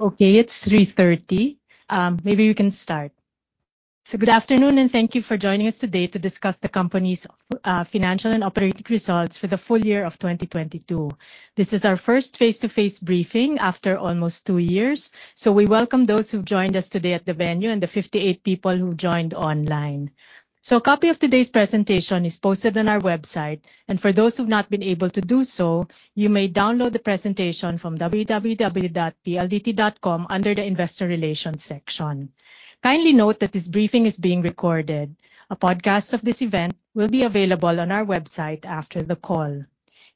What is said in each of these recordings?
Okay, it's 3:30 P.M. Maybe we can start. Good afternoon, and thank you for joining us today to discuss the company's financial and operating results for the full year of 2022. This is our first face-to-face briefing after almost two years, so we welcome those who've joined us today at the venue and the 58 people who joined online. A copy of today's presentation is posted on our website, and for those who've not been able to do so, you may download the presentation from www.pldt.com under the Investor Relations section. Kindly note that this briefing is being recorded. A podcast of this event will be available on our website after the call.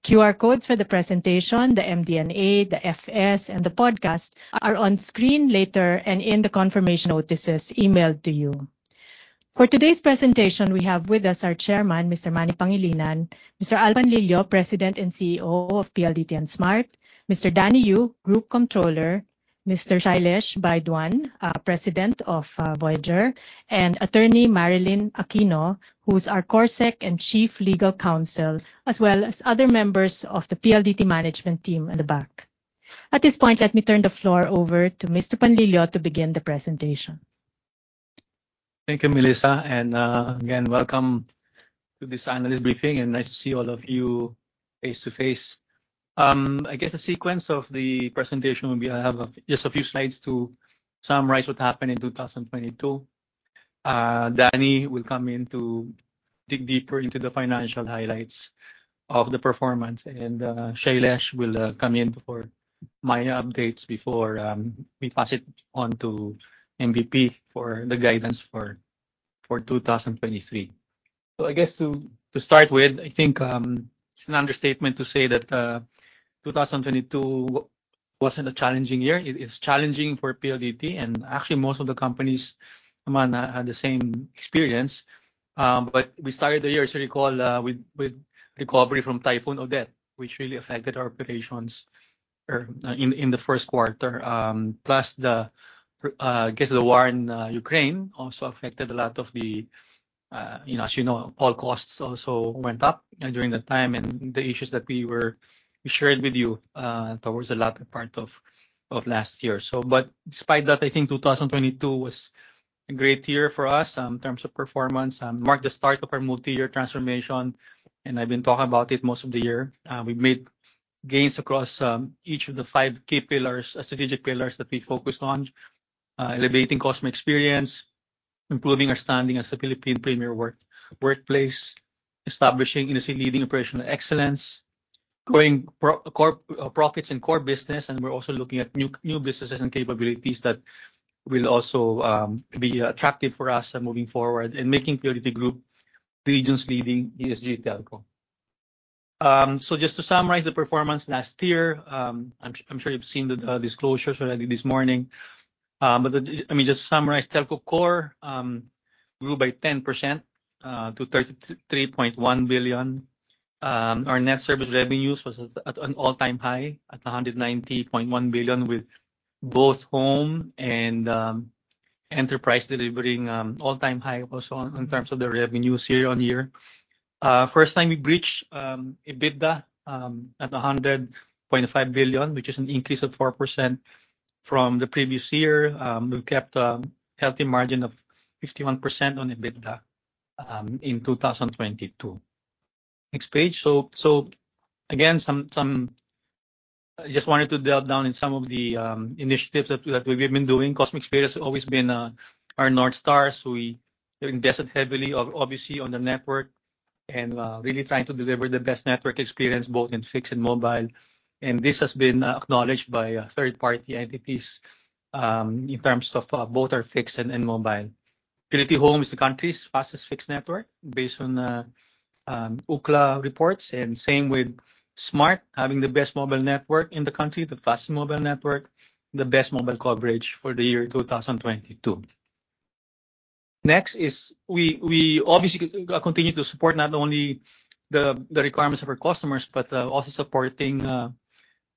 QR codes for the presentation, the MD&A, the FS, and the podcast are on screen later and in the confirmation notices emailed to you. For today's presentation, we have with us our Chairman, Mr. Manny Pangilinan, Mr. Al Panlilio, President and CEO of PLDT and Smart, Mr. Danny Yu, Group Controller, Mr. Shailesh Baidwan, President of Voyager, and Attorney Marilyn Aquino, who's our CorpSec and Chief Legal Counsel, as well as other members of the PLDT management team at the back. At this point, let me turn the floor over to Mr. Panlilio to begin the presentation. Thank you, Melissa, again, welcome to this analyst briefing, nice to see all of you face to face. I guess the sequence of the presentation will be, I have just a few slides to summarize what happened in 2022. Danny will come in to dig deeper into the financial highlights of the performance, Shailesh will come in for my updates before we pass it on to MVP for the guidance for 2023. I guess to start with, I think it's an understatement to say that 2022 wasn't a challenging year. It is challenging for PLDT, actually, most of the companies, Manny, had the same experience. We started the year, as you recall, with recovery from Typhoon Odette, which really affected our operations in the first quarter. Plus I guess the war in Ukraine also affected a lot of the, you know, as you know, all costs also went up during that time and the issues that we shared with you towards the latter part of last year. Despite that, I think 2022 was a great year for us in terms of performance, marked the start of our multi-year transformation. I've been talking about it most of the year. We've made gains across each of the five key pillars, strategic pillars that we focused on, elevating customer experience, improving our standing as the Philippine premier workplace, establishing industry-leading operational excellence, growing core profits in core business. We're also looking at new businesses and capabilities that will also be attractive for us moving forward and making PLDT Group the region's leading ESG telco. Just to summarize the performance last year, I'm sure you've seen the disclosures already this morning. Let me just summarize. Telco core grew by 10% to 33.1 billion. Our net service revenues was at an all-time high at 190.1 billion, with both home and enterprise delivering all-time high also in terms of the revenues year-on-year. First time we breached EBITDA at 100.5 billion, which is an increase of 4% from the previous year. We've kept a healthy margin of 51% on EBITDA in 2022. Next page. Again, I just wanted to delve down in some of the initiatives that we've been doing. Customer experience has always been our North Star. We have invested heavily obviously on the network and really trying to deliver the best network experience both in fixed and mobile. This has been acknowledged by third-party entities in terms of both our fixed and mobile. PLDT Home is the country's fastest fixed network based on Ookla reports. Same with Smart having the best mobile network in the country, the fastest mobile network, the best mobile coverage for the year 2022. Next is we obviously continue to support not only the requirements of our customers but also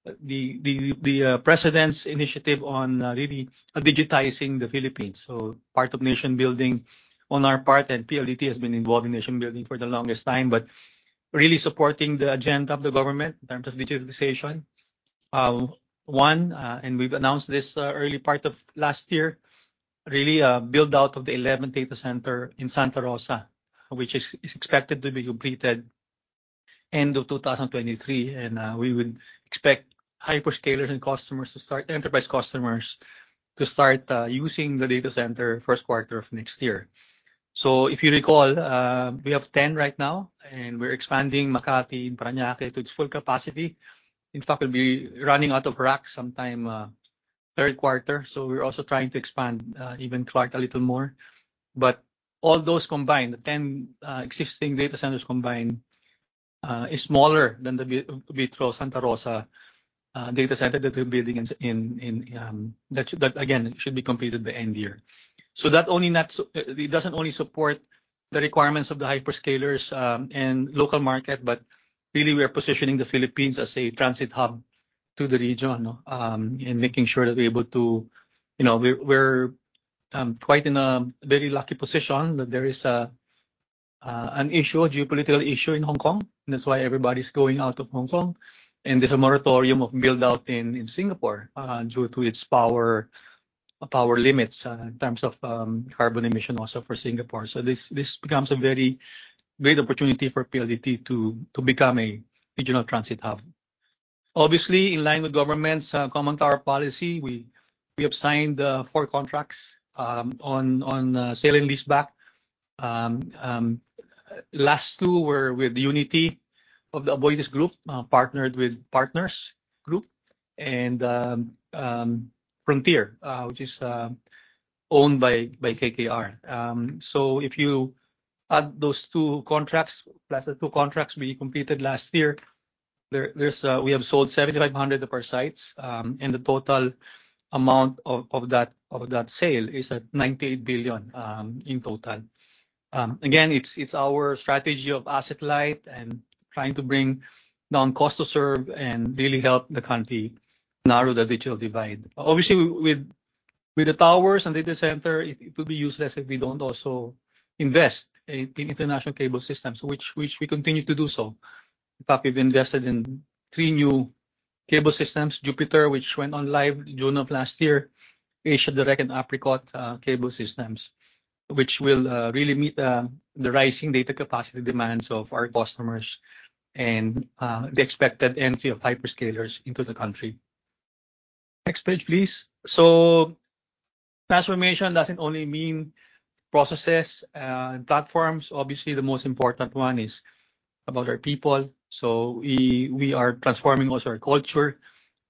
supporting the President's initiative on really digitizing the Philippines. Part of nation-building on our part, PLDT has been involved in nation-building for the longest time, really supporting the agenda of the government in terms of digitalization. One, we've announced this early part of last year, really a build-out of the 11th data center in Santa Rosa, which is expected to be completed end of 2023, we would expect hyperscalers and customers to start, enterprise customers to start, using the data center first quarter of next year. If you recall, we have 10 right now, we're expanding Makati and Parañaque to its full capacity. In fact, we'll be running out of rack sometime, third quarter, we're also trying to expand even Clark a little more. All those combined, the 10 existing data centers combined, is smaller than the Santa Rosa data center that we're building in, that again should be completed by end year. It doesn't only support the requirements of the hyperscalers and local market, but really we are positioning the Philippines as a transit hub to the region and making sure that we're able to, you know, we're quite in a very lucky position that there is an issue, a geopolitical issue in Hong Kong. That's why everybody's going out of Hong Kong. There's a moratorium of build out in Singapore due to its power limits in terms of carbon emission also for Singapore. This becomes a very great opportunity for PLDT to become a regional transit hub. Obviously, in line with government's common tower policy, we have signed four contracts on sale and leaseback. Last two were with Unity of the Aboitiz Group, partnered with Partners Group and Frontier, which is owned by KKR. If you add those two contracts, plus the two contracts we completed last year, we have sold 7,500 of our sites, and the total amount of that sale is at 98 billion in total. Again, it's our strategy of asset light and trying to bring down cost to serve and really help the country narrow the digital divide. Obviously, with the towers and data center, it will be useless if we don't also invest in international cable systems which we continue to do so. In fact, we've invested in three new cable systems, Jupiter, which went on live June of last year, Asia Direct and Apricot cable systems, which will really meet the rising data capacity demands of our customers and the expected entry of hyperscalers into the country. Next page, please. Transformation doesn't only mean processes and platforms. Obviously, the most important one is about our people. We are transforming also our culture.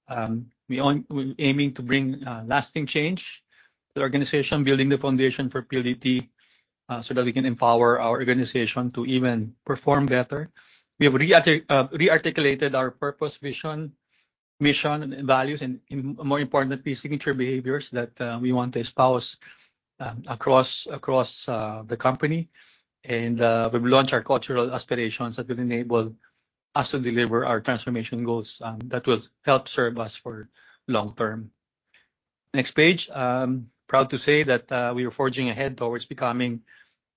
We're aiming to bring lasting change to the organization, building the foundation for PLDT so that we can empower our organization to even perform better. We have re-articulated our purpose, vision, mission and values, and more importantly, signature behaviors that we want to espouse across the company. We've launched our cultural aspirations that will enable us to deliver our transformation goals that will help serve us for long term. Next page. Proud to say that we are forging ahead towards becoming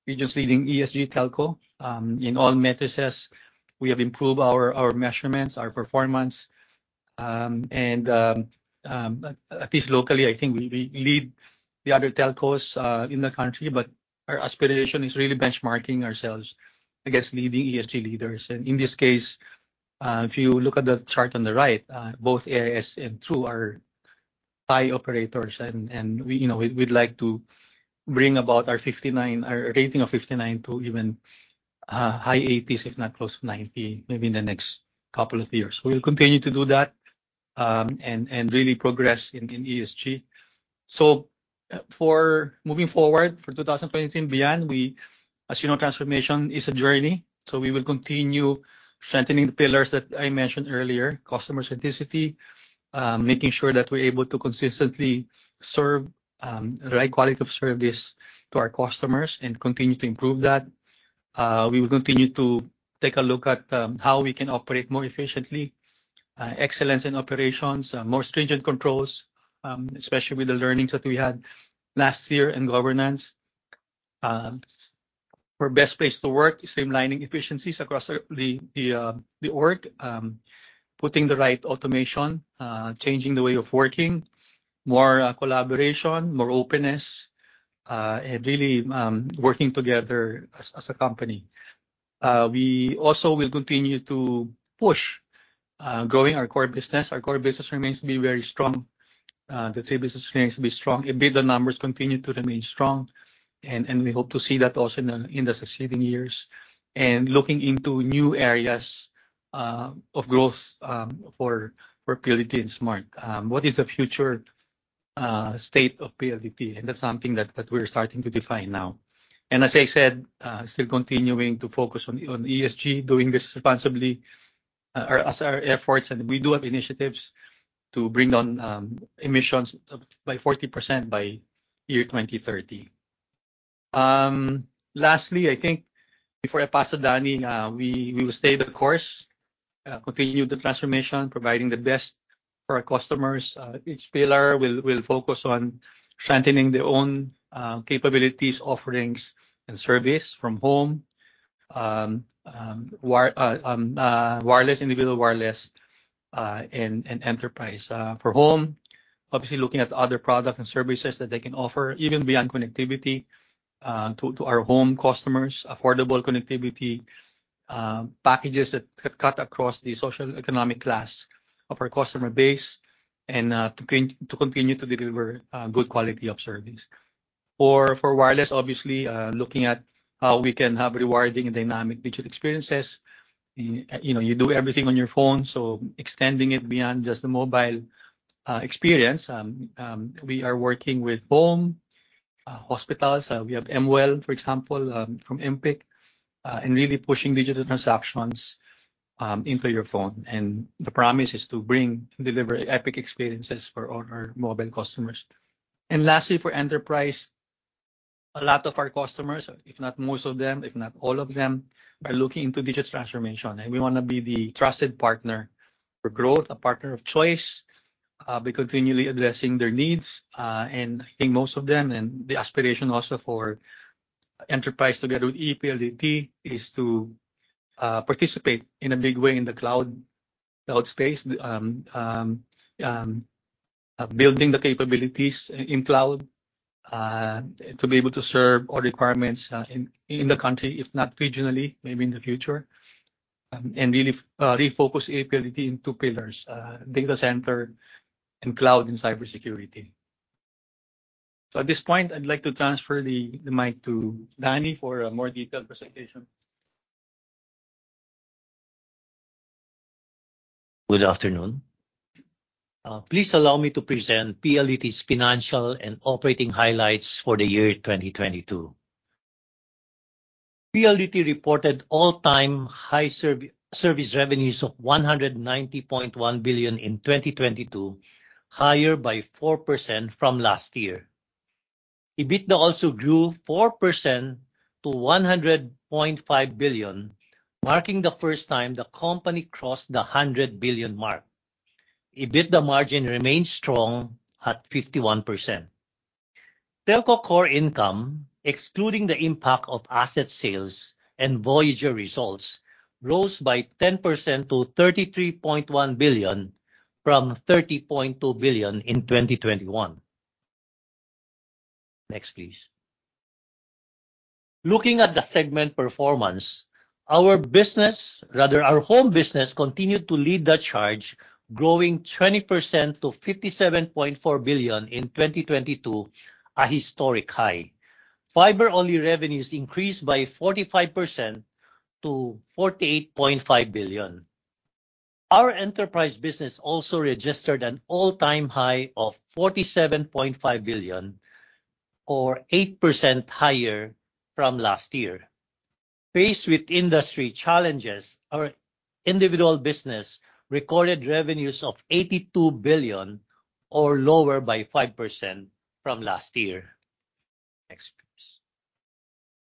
region's leading ESG telco. In all metrics, we have improved our measurements, our performance, and at least locally, I think we lead the other telcos in the country, but our aspiration is really benchmarking ourselves against leading ESG leaders. In this case, if you look at the chart on the right, both AIS and True are high operators and we, you know, we'd like to bring about our 59... our rating of 59 to even, high 80s, if not close to 90, maybe in the next couple of years. We'll continue to do that, and really progress in ESG. For moving forward, for 2023 and beyond, we, as you know, transformation is a journey, so we will continue strengthening the pillars that I mentioned earlier, customer centricity, making sure that we're able to consistently serve, the right quality of service to our customers and continue to improve that. We will continue to take a look at, how we can operate more efficiently, excellence in operations, more stringent controls, especially with the learnings that we had last year in governance. For best place to work, streamlining efficiencies across the org, putting the right automation, changing the way of working, more collaboration, more openness, and really working together as a company. We also will continue to push growing our core business. Our core business remains to be very strong. The three business remains to be strong, EBITDA numbers continue to remain strong and we hope to see that also in the succeeding years. Looking into new areas of growth for PLDT and Smart. What is the future state of PLDT? That's something that we're starting to define now. As I said, still continuing to focus on ESG, doing this responsibly, as our efforts, and we do have initiatives to bring down emissions by 40% by year 2030. Lastly, I think before I pass to Danny, we will stay the course, continue the transformation, providing the best for our customers. Each pillar will focus on strengthening their own capabilities, offerings, and service from home, wireless, individual wireless, and enterprise. For home, obviously looking at other products and services that they can offer even beyond connectivity, to our home customers, affordable connectivity packages that cut across the socioeconomic class of our customer base and to continue to deliver good quality of service. For wireless, obviously, looking at how we can have rewarding and dynamic digital experiences. You know, you do everything on your phone, extending it beyond just the mobile experience. We are working with home hospitals. We have mWell, for example, from MPIC, really pushing digital transactions into your phone. The promise is to bring, deliver epic experiences for all our mobile customers. Lastly, for Enterprise, a lot of our customers, if not most of them, if not all of them, are looking into digital transformation. We wanna be the trusted partner for growth, a partner of choice. Be continually addressing their needs, I think most of them, and the aspiration also for Enterprise together with PLDT is to participate in a big way in the cloud space. Building the capabilities in cloud to be able to serve all requirements in the country, if not regionally, maybe in the future. Really refocus PLDT in two pillars, data center and cloud and cybersecurity. At this point, I'd like to transfer the mic to Danny for a more detailed presentation. Good afternoon. Please allow me to present PLDT's financial and operating highlights for the year 2022. PLDT reported all-time high service revenues of 190.1 billion in 2022, higher by 4% from last year. EBITDA also grew 4% to 100.5 billion, marking the first time the company crossed the 100 billion mark. EBITDA margin remained strong at 51%. telco core income, excluding the impact of asset sales and Voyager results, rose by 10% to 33.1 billion, from 30.2 billion in 2021. Next, please. Looking at the segment performance, our home business continued to lead the charge, growing 20% to 57.4 billion in 2022, a historic high. Fiber-only revenues increased by 45% to 48.5 billion. Our enterprise business also registered an all-time high of 47.5 billion or 8% higher from last year. Faced with industry challenges, our individual business recorded revenues of 82 billion or lower by 5% from last year. Next, please.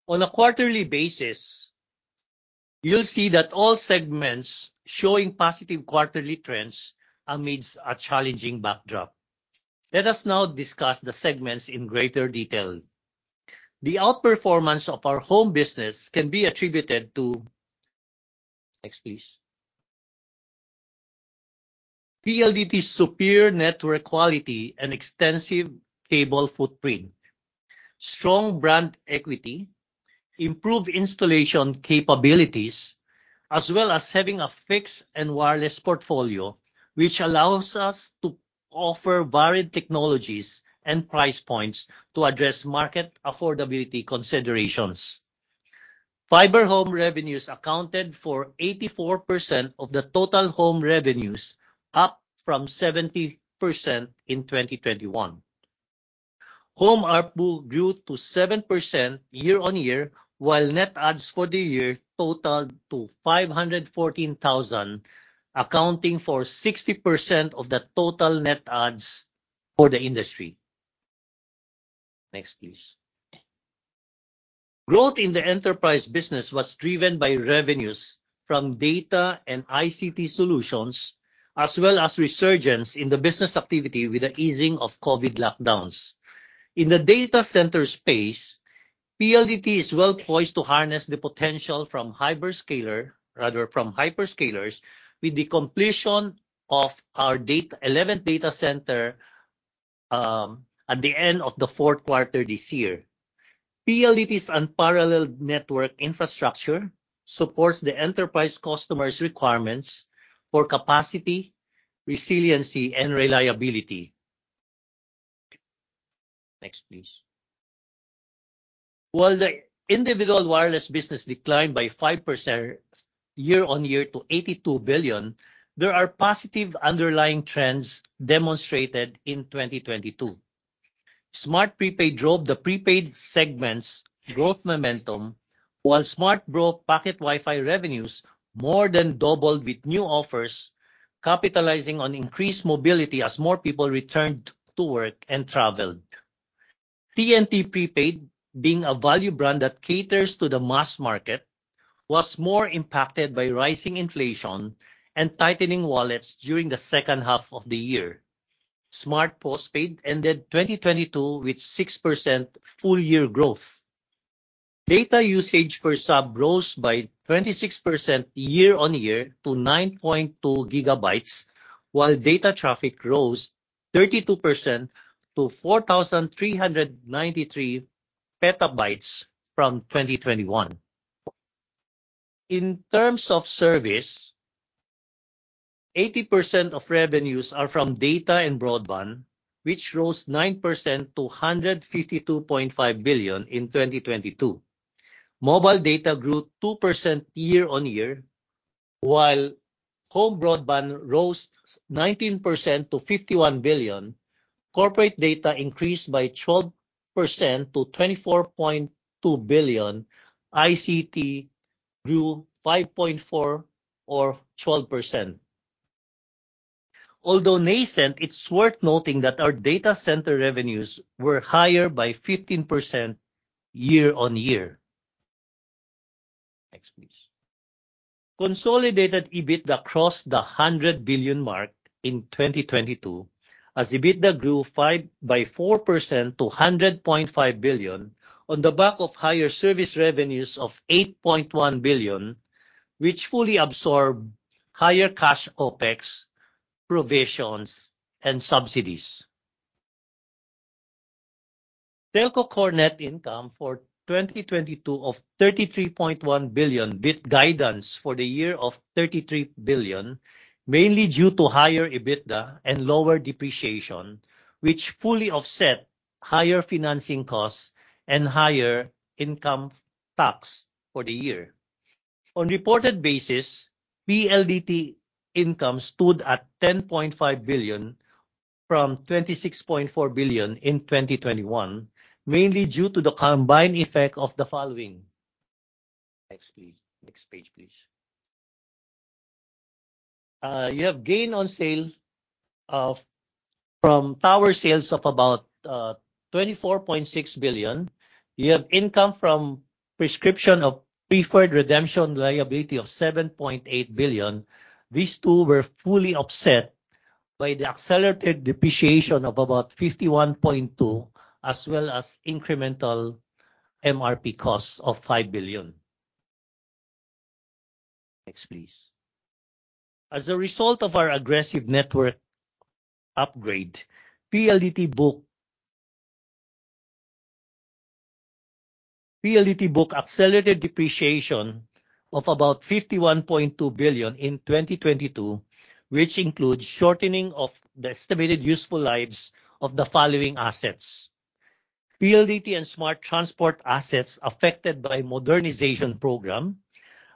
On a quarterly basis, you'll see that all segments showing positive quarterly trends amidst a challenging backdrop. Let us now discuss the segments in greater detail. The outperformance of our home business can be attributed to. Next, please. PLDT's superior network quality and extensive cable footprint, strong brand equity, improved installation capabilities, as well as having a fixed and wireless portfolio, which allows us to offer varied technologies and price points to address market affordability considerations. Fiber home revenues accounted for 84% of the total home revenues, up from 70% in 2021. Home ARPU grew to 7% year-on-year, while net adds for the year totaled to 514,000, accounting for 60% of the total net adds for the industry. Next, please. Growth in the enterprise business was driven by revenues from data and ICT solutions, as well as resurgence in the business activity with the easing of COVID lockdowns. In the data center space, PLDT is well poised to harness the potential from hyperscaler, rather from hyperscalers, with the completion of our 11th data center at the end of the fourth quarter this year. PLDT's unparalleled network infrastructure supports the enterprise customers' requirements for capacity, resiliency, and reliability. Next, please. While the individual wireless business declined by 5% year-on-year to 82 billion, there are positive underlying trends demonstrated in 2022. Smart Prepaid drove the prepaid segment's growth momentum, while Smart Bro Pocket WiFi revenues more than doubled with new offers, capitalizing on increased mobility as more people returned to work and traveled. TNT Prepaid, being a value brand that caters to the mass market, was more impacted by rising inflation and tightening wallets during the second half of the year. Smart Postpaid ended 2022 with 6% full year growth. Data usage per sub rose by 26% year-on-year to 9.2 GB, while data traffic rose 32% to 4,393 PB from 2021. In terms of service, 80% of revenues are from data and broadband, which rose 9% to 152.5 billion in 2022. Mobile data grew 2% year-on-year, while home broadband rose 19% to 51 billion. Corporate data increased by 12% to 24.2 billion. ICT grew 5.4% or 12%. Although nascent, it's worth noting that our data center revenues were higher by 15% year on year. Consolidated EBITDA crossed the 100 billion mark in 2022 as EBITDA grew 4% to 100.5 billion on the back of higher service revenues of 8.1 billion, which fully absorbed higher cash OpEx, provisions, and subsidies. Telco core net income for 2022 of 33.1 billion beat guidance for the year of 33 billion, mainly due to higher EBITDA and lower depreciation, which fully offset higher financing costs and higher income tax for the year. On reported basis, PLDT income stood at 10.5 billion from 26.4 billion in 2021, mainly due to the combined effect of the following. Next, please. Next page, please. You have gain on sale of, from tower sales of about 24.6 billion. You have income from prescription of preferred redemption liability of 7.8 billion. These two were fully offset by the accelerated depreciation of about 51.2 billion, as well as incremental MRP costs of 5 billion. Next, please. As a result of our aggressive network upgrade, PLDT book accelerated depreciation of about 51.2 billion in 2022, which includes shortening of the estimated useful lives of the following assets: PLDT and Smart transport assets affected by modernization program,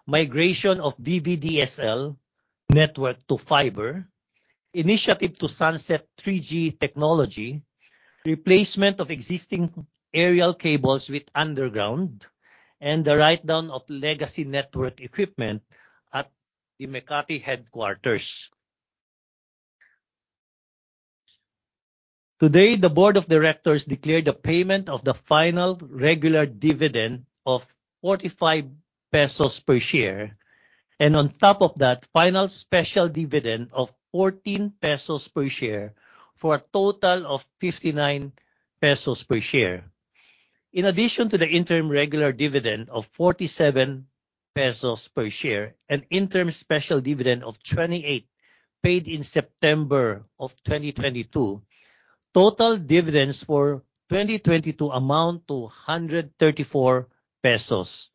migration of VDSL network to fiber, initiative to sunset 3G technology, replacement of existing aerial cables with underground, and the write-down of legacy network equipment at the Makati headquarters. Today, the board of directors declared a payment of the final regular dividend of 45 pesos per share, and on top of that, final special dividend of 14 pesos per share, for a total of 59 pesos per share. In addition to the interim regular dividend of 47 pesos per share and interim special dividend of 28 paid in September 2022, total dividends for 2022 amount to 134 pesos.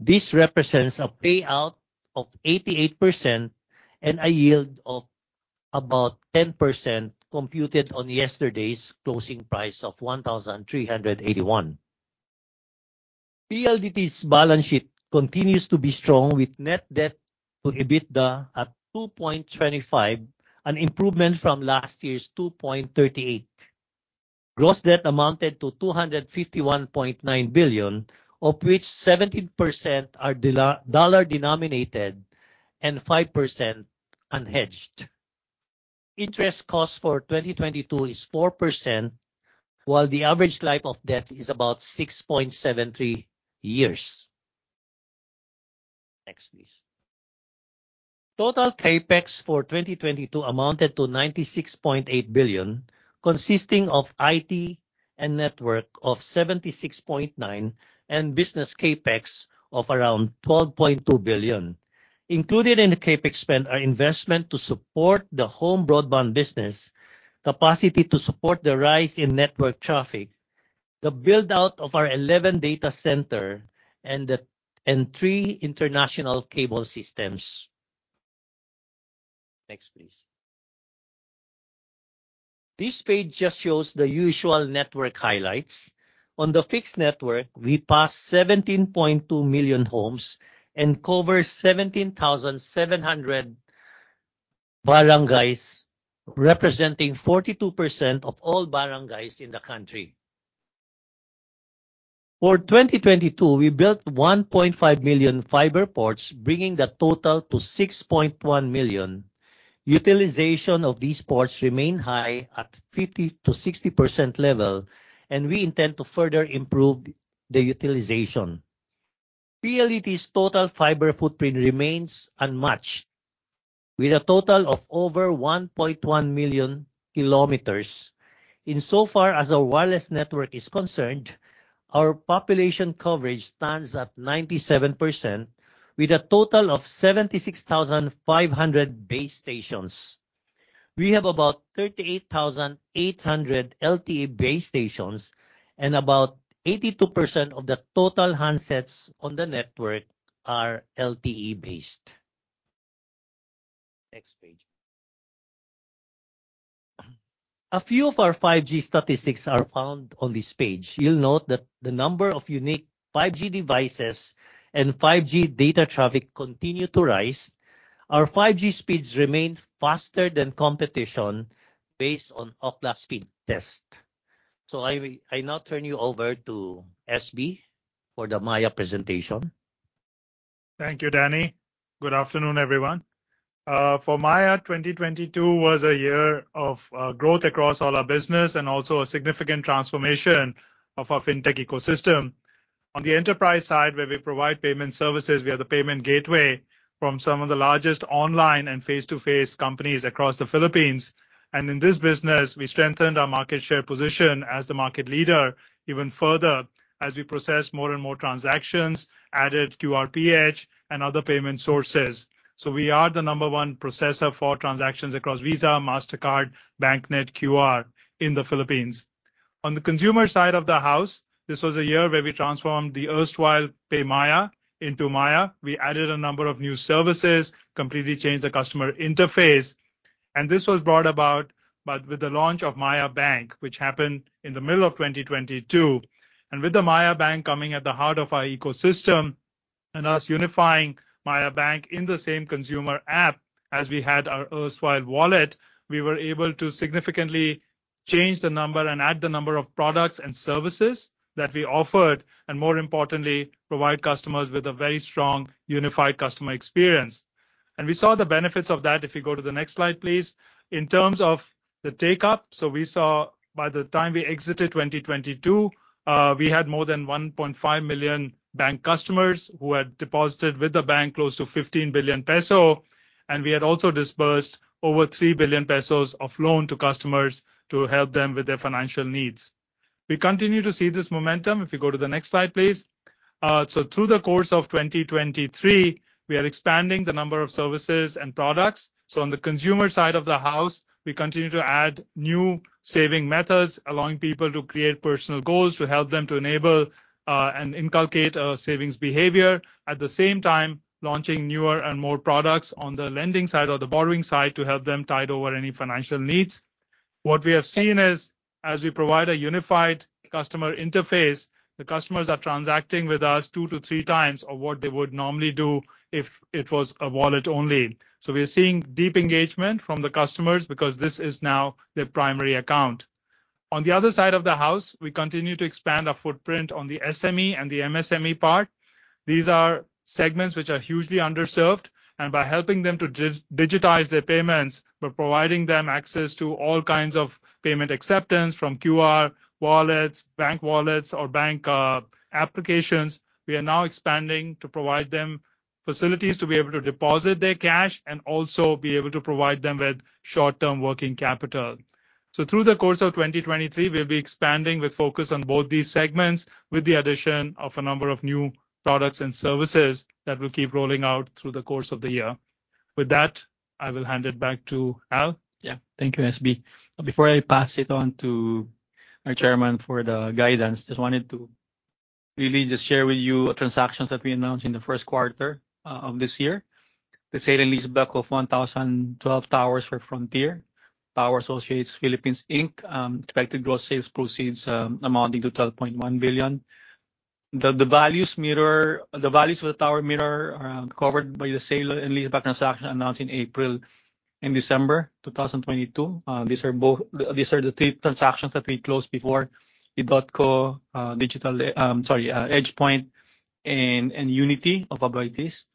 This represents a payout of 88% and a yield of about 10% computed on yesterday's closing price of 1,381. PLDT's balance sheet continues to be strong with net debt to EBITDA at 2.25, an improvement from last year's 2.38. Gross debt amounted to 251.9 billion, of which 17% are dollar-denominated and 5% unhedged. Interest costs for 2022 is 4%, while the average life of debt is about 6.73 years. Next, please. Total CapEx for 2022 amounted to 96.8 billion, consisting of IT and network of 76.9 billion and business CapEx of around 12.2 billion. Included in the CapEx spend are investment to support the home broadband business, capacity to support the rise in network traffic, the build-out of our 11 data center and three international cable systems. Next, please. This page just shows the usual network highlights. On the fixed network, we passed 17.2 million homes and cover 17,700 barangays, representing 42% of all barangays in the country. For 2022, we built 1.5 million fiber ports, bringing the total to 6.1 million. Utilization of these ports remain high at 50%-60% level. We intend to further improve the utilization. PLDT's total fiber footprint remains unmatched with a total of over 1.1 million kilometers. Insofar as our wireless network is concerned, our population coverage stands at 97% with a total of 76,500 base stations. We have about 38,800 LTE base stations and about 82% of the total handsets on the network are LTE based. Next page. A few of our 5G statistics are found on this page. You'll note that the number of unique 5G devices and 5G data traffic continue to rise. Our 5G speeds remain faster than competition based on Ookla speed test. I now turn you over to SB for the Maya presentation. Thank you, Danny. Good afternoon, everyone. For Maya, 2022 was a year of growth across all our business and also a significant transformation of our fintech ecosystem. On the enterprise side where we provide payment services, we are the payment gateway from some of the largest online and face-to-face companies across the Philippines. In this business, we strengthened our market share position as the market leader even further as we processed more and more transactions, added QR Ph and other payment sources. We are the number one processor for transactions across Visa, Mastercard, BancNet QR in the Philippines. On the consumer side of the house, this was a year where we transformed the erstwhile PayMaya into Maya. We added a number of new services, completely changed the customer interface. This was brought about with the launch of Maya Bank, which happened in the middle of 2022. With the Maya Bank coming at the heart of our ecosystem and us unifying Maya Bank in the same consumer app as we had our erstwhile wallet, we were able to significantly change the number and add the number of products and services that we offered, and more importantly, provide customers with a very strong, unified customer experience. We saw the benefits of that, if you go to the next slide, please. In terms of the take-up, we saw by the time we exited 2022, we had more than 1.5 million bank customers who had deposited with the bank close to 15 billion peso, and we had also disbursed over 3 billion pesos of loan to customers to help them with their financial needs. We continue to see this momentum, if you go to the next slide, please. Through the course of 2023, we are expanding the number of services and products. On the consumer side of the house, we continue to add new saving methods, allowing people to create personal goals to help them to enable and inculcate a savings behavior. At the same time, launching newer and more products on the lending side or the borrowing side to help them tide over any financial needs. What we have seen is, as we provide a unified customer interface, the customers are transacting with us two to three times of what they would normally do if it was a wallet only. We are seeing deep engagement from the customers because this is now their primary account. On the other side of the house, we continue to expand our footprint on the SME and the MSME part. These are segments which are hugely underserved, and by helping them to dig-digitize their payments, we're providing them access to all kinds of payment acceptance from QR, wallets, bank wallets or bank applications. We are now expanding to provide them facilities to be able to deposit their cash and also to be able to provide them with short-term working capital. Through the course of 2023, we'll be expanding with focus on both these segments with the addition of a number of new products and services that we'll keep rolling out through the course of the year. With that, I will hand it back to Al. Yeah. Thank you, SB. Before I pass it on to our chairman for the guidance, just wanted to really just share with you transactions that we announced in the first quarter of this year. The sale and leaseback of 1,012 towers for Frontier Tower Associates Philippines Inc. Expected gross sales proceeds amounting to 12.1 billion. The values mirror the values for the tower mirror covered by the sale and leaseback transaction announced in April and December 2022. These are the three transactions that we closed before with edotco, EdgePoint and Unity of Aboitiz.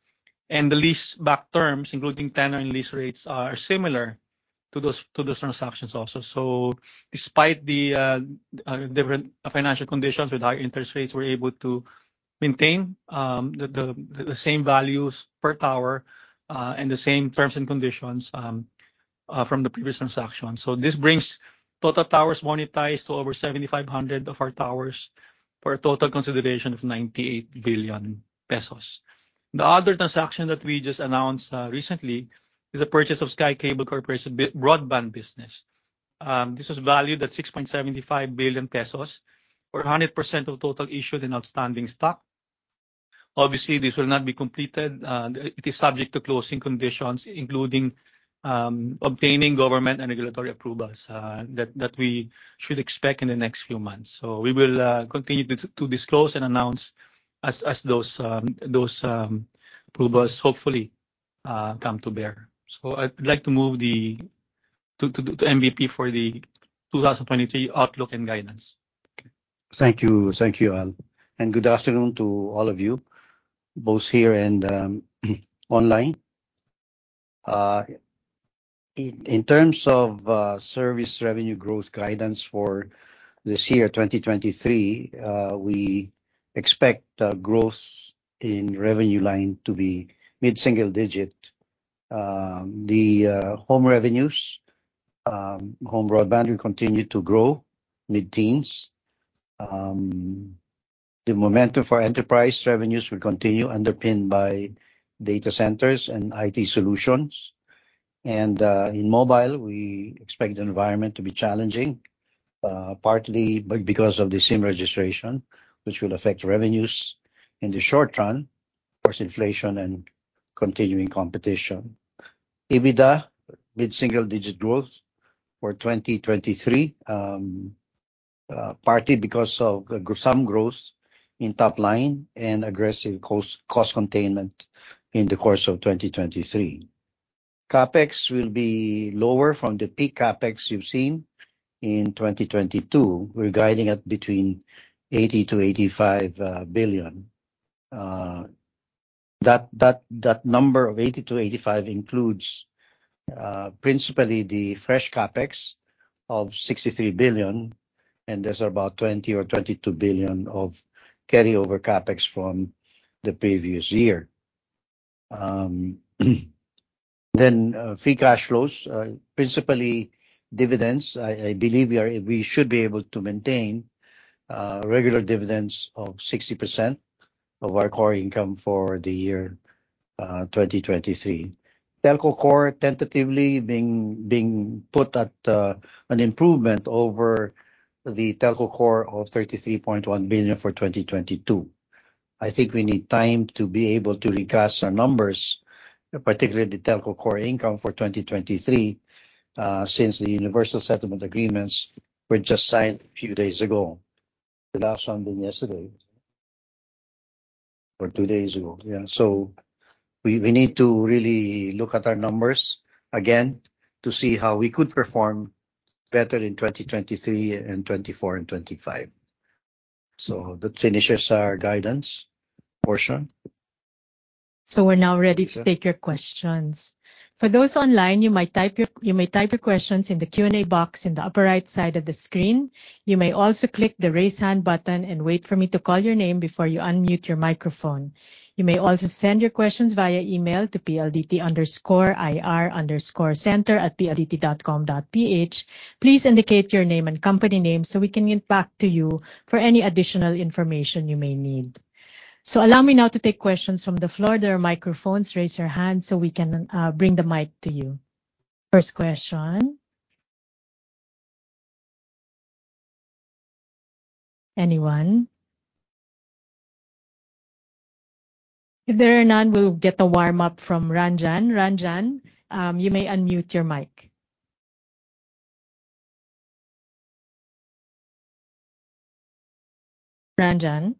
The leaseback terms, including tenant and lease rates are similar to those transactions also. Despite the different financial conditions with high interest rates, we're able to maintain the same values per tower and the same terms and conditions from the previous transaction. This brings total towers monetized to over 7,500 of our towers for a total consideration of 98 billion pesos. The other transaction that we just announced recently is a purchase of Sky Cable Corporation broadband business. This was valued at 6.75 billion pesos for 100% of total issued and outstanding stock. Obviously, this will not be completed. It is subject to closing conditions including obtaining government and regulatory approvals that we should expect in the next few months. We will continue to disclose and announce as those approvals hopefully come to bear. I'd like to move to MVP for the 2023 outlook and guidance. Thank you. Thank you, Al. Good afternoon to all of you, both here and online. In terms of service revenue growth guidance for this year, 2023, we expect growth in revenue line to be mid-single digit. The home revenues, home broadband will continue to grow mid-teens. The momentum for enterprise revenues will continue underpinned by data centers and IT solutions. In mobile, we expect the environment to be challenging, partly because of the SIM registration, which will affect revenues in the short run, plus inflation and continuing competition. EBITDA, mid-single digit growth for 2023, partly because of some growth in top line and aggressive cost containment in the course of 2023. CapEx will be lower from the peak CapEx you've seen in 2022. We're guiding at between 80 billion-85 billion. That number of 80-85 includes principally the fresh CapEx of 63 billion. There's about 20 billion or 22 billion of carryover CapEx from the previous year. Free cash flows, principally dividends. I believe we should be able to maintain regular dividends of 60% of our core income for the year 2023. Telco core tentatively being put at an improvement over the telco core of 33.1 billion for 2022. I think we need time to be able to recast our numbers, particularly the telco core income for 2023, since the universal settlement agreements were just signed a few days ago. The last one being yesterday or two days ago. We need to really look at our numbers again to see how we could perform better in 2023 and 2024 and 2025. That finishes our guidance portion. We're now ready to take your questions. For those online, you may type your questions in the Q&A box in the upper right side of the screen. You may also click the Raise Hand button and wait for me to call your name before you unmute your microphone. You may also send your questions via email to pldt_ir_center@pldt.com.ph. Please indicate your name and company name so we can get back to you for any additional information you may need. Allow me now to take questions from the floor. There are microphones. Raise your hand so we can bring the mic to you. First question. Anyone? If there are none, we'll get a warm-up from Ranjan. Ranjan, you may unmute your mic. Ranjan?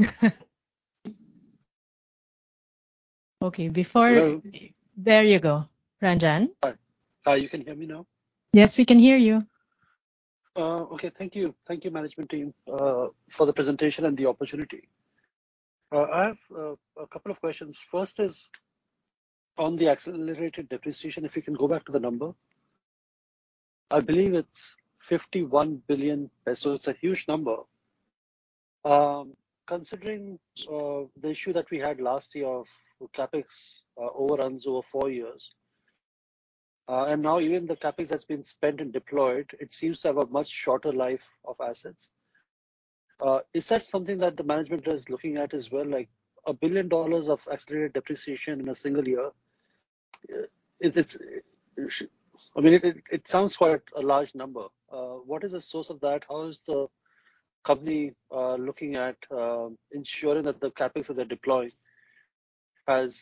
Okay. Hello. There you go. Ranjan. Hi. You can hear me now? Yes, we can hear you. Okay. Thank you. Thank you, management team, for the presentation and the opportunity. I have a couple of questions. First is on the accelerated depreciation, if you can go back to the number. I believe it's 51 billion pesos. It's a huge number. Considering the issue that we had last year of CapEx overruns over four years, and now even the CapEx that's been spent and deployed, it seems to have a much shorter life of assets. Is that something that the management is looking at as well, like $1 billion of accelerated depreciation in a single year? I mean, it sounds quite a large number. What is the source of that? How is the company looking at ensuring that the CapEx that they're deploying has,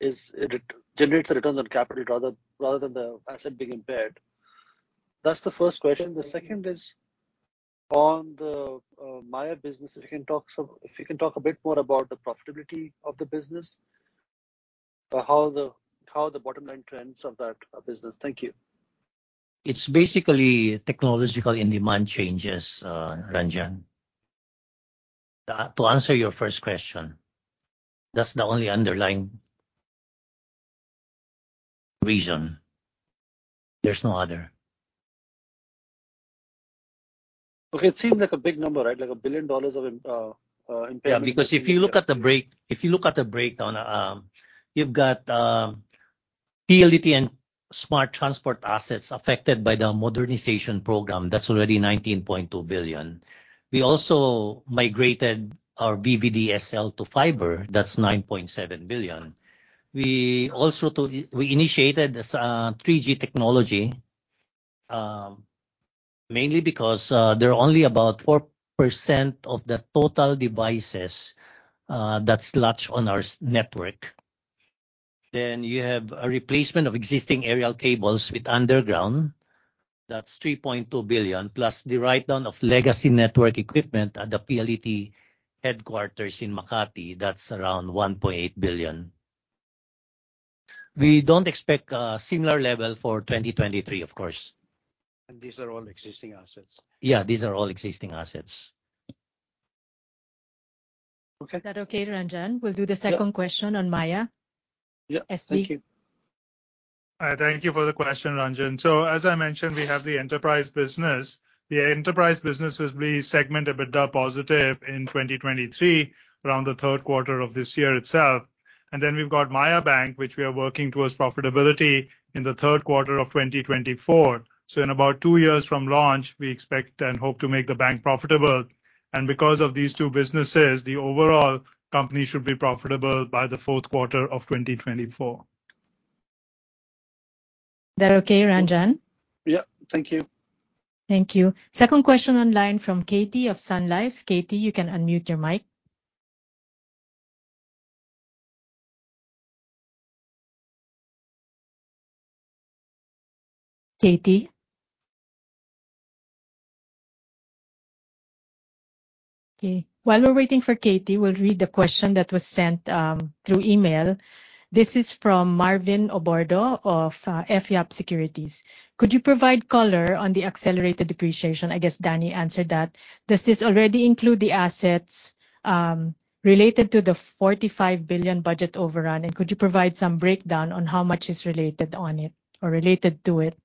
is it generates the returns on capital rather than the asset being impaired? That's the first question. The second is on the Maya business. If you can talk a bit more about the profitability of the business or how the bottom-line trends of that business. Thank you. It's basically technological and demand changes, Ranjan. To answer your first question, that's the only underlying reason. There's no other. Okay. It seems like a big number, right? Like $1 billion of impairment. Yeah, if you look at the breakdown, you've got PLDT and Smart transport assets affected by the modernization program. That's already 19.2 billion. We also migrated our VDSL to fiber. That's 9.7 billion. We also initiated this 3G technology, mainly because there are only about 4% of the total devices that's latched on our network. You have a replacement of existing aerial cables with underground. That's 3.2 billion, plus the write-down of legacy network equipment at the PLDT headquarters in Makati. That's around 1.8 billion. We don't expect a similar level for 2023, of course. These are all existing assets? Yeah, these are all existing assets. Okay. Is that okay, Ranjan? We'll do the second- Yeah. question on Maya. Yeah. Thank you. SB? Thank you for the question, Ranjan. As I mentioned, we have the enterprise business. The enterprise business will be segment EBITDA positive in 2023, around the third quarter of this year itself. We've got Maya Bank, which we are working towards profitability in the third quarter of 2024. In about two years from launch, we expect and hope to make the bank profitable. Because of these two businesses, the overall company should be profitable by the fourth quarter of 2024. That okay, Ranjan? Yeah. Thank you. Thank you. Second question online from Katie of Sun Life. Katie, you can unmute your mic. Katie? Okay. While we're waiting for Katie, we'll read the question that was sent through email. This is from Marvin Obordo of F. Yap Securities. Could you provide color on the accelerated depreciation? I guess Danny answered that. Does this already include the assets related to the 45 billion budget overrun? Could you provide some breakdown on how much is related on it or related to it?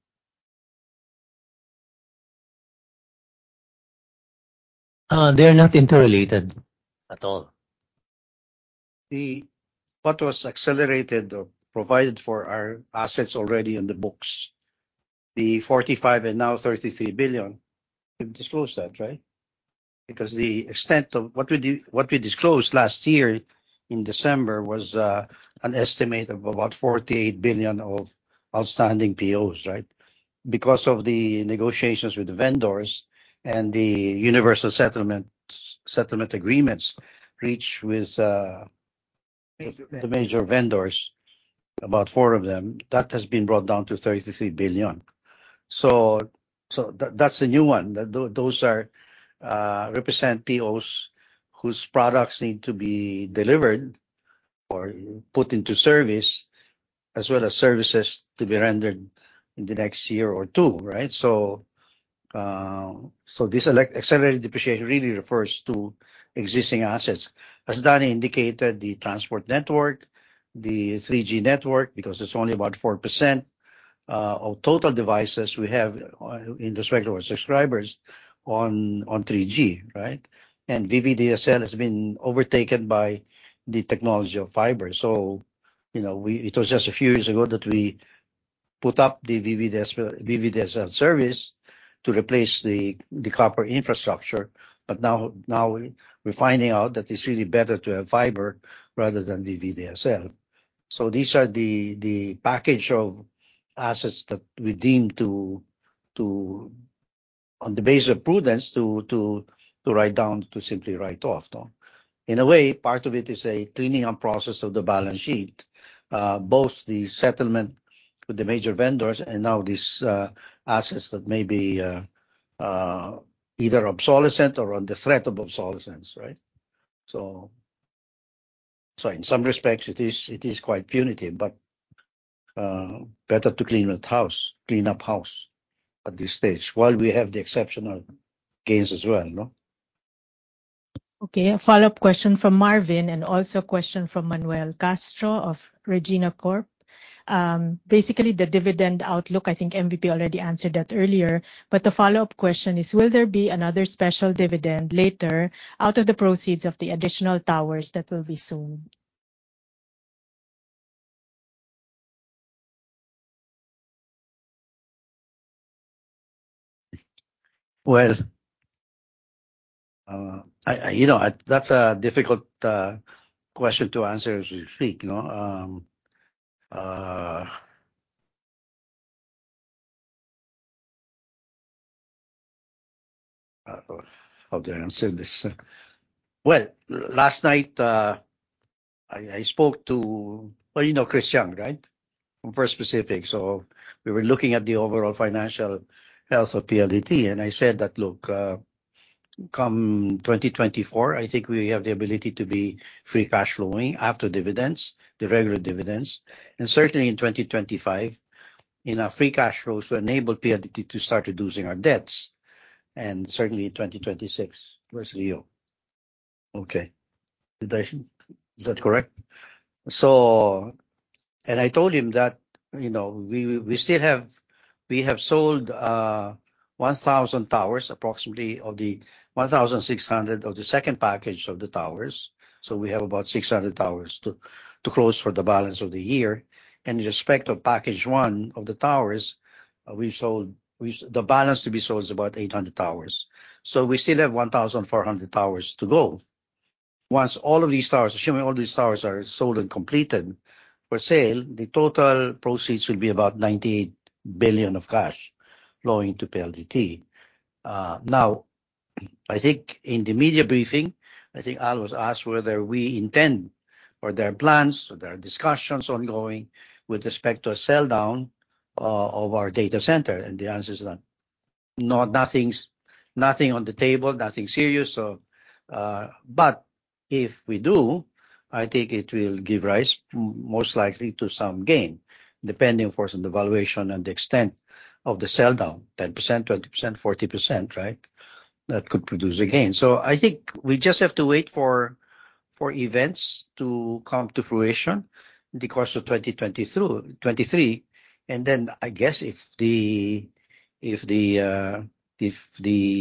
They're not interrelated at all. What was accelerated or provided for are assets already on the books. The 45 billion and now 33 billion, we've disclosed that, right? The extent of what we disclosed last year in December was an estimate of about 48 billion of outstanding POs, right? Because of the negotiations with the vendors and the universal Settlement agreements reached with the major vendors, about four of them, that has been brought down to 33 billion. That's a new one. Those are represent POs whose products need to be delivered or put into service as well as services to be rendered in the next year or two, right? This accelerated depreciation really refers to existing assets. As Danny indicated, the transport network, the 3G network, because it's only about 4% of total devices we have in respect to our subscribers on 3G, right? VDSL has been overtaken by the technology of fiber. You know, it was just a few years ago that we put up the VDSL service to replace the copper infrastructure, but now we're finding out that it's really better to have fiber rather than VDSL. These are the package of assets that we deem to on the base of prudence, to write down, to simply write off them. In a way, part of it is a cleaning up process of the balance sheet, both the settlement with the major vendors and now these assets that may be either obsolescent or on the threat of obsolescence, right? In some respects it is quite punitive, but, better to clean with house, clean up house at this stage while we have the exceptional gains as well, you know. Okay. A follow-up question from Marvin and also a question from Manuel Castro of Regina Capital. Basically, the dividend outlook, I think MVP already answered that earlier. The follow-up question is, will there be another special dividend later out of the proceeds of the additional towers that will be sold? Well, I, you know, that's a difficult question to answer as we speak, you know. How do I answer this? Well, last night, I spoke to... Well, you know Christian, right? From First Pacific. We were looking at the overall financial health of PLDT and I said that, "Look, come 2024 I think we have the ability to be free cash flowing after dividends, the regular dividends, and certainly in 2025 enough free cash flows to enable PLDT to start reducing our debts, and certainly in 2026." Where's Leo? Okay. Is that correct? I told him that, you know, we have sold 1,000 towers approximately of the 1,600 of the second package of the towers. We have about 600 towers to close for the balance of the year. In respect of package one of the towers we've sold, the balance to be sold is about 800 towers. We still have 1,400 towers to go. Once all of these towers, assuming all these towers are sold and completed for sale, the total proceeds will be about 98 billion of cash flowing to PLDT. Now, I think in the media briefing, I think Al was asked whether we intend or there are plans or there are discussions ongoing with respect to a sell down of our data center, and the answer is none. No, nothing's, nothing on the table, nothing serious. If we do, I think it will give rise most likely to some gain, depending of course on the valuation and the extent of the sell down, 10%, 20%, 40%, right? That could produce a gain. I think we just have to wait for events to come to fruition in the course of 2022, 2023 and I guess if the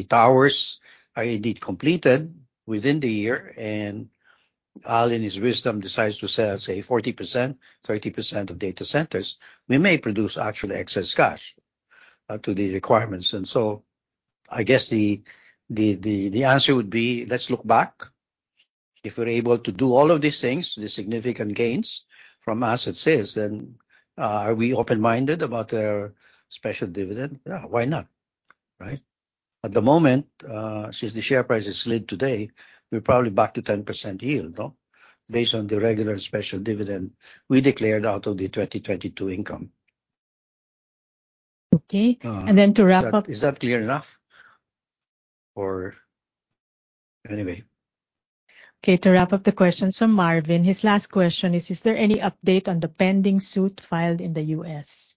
towers are indeed completed within the year and Al in his wisdom decides to sell, say, 40%, 30% of data centers, we may produce actual excess cash to the requirements. I guess the answer would be, let's look back. If we're able to do all of these things, the significant gains from asset sales, then, are we open-minded about a special dividend? Yeah, why not, right? At the moment, since the share price has slid today, we're probably back to 10% yield, no, based on the regular special dividend we declared out of the 2022 income. Okay. To wrap up... Is that clear enough? Anyway. Okay. To wrap up the questions from Marvin, his last question is: Is there any update on the pending suit filed in the U.S.?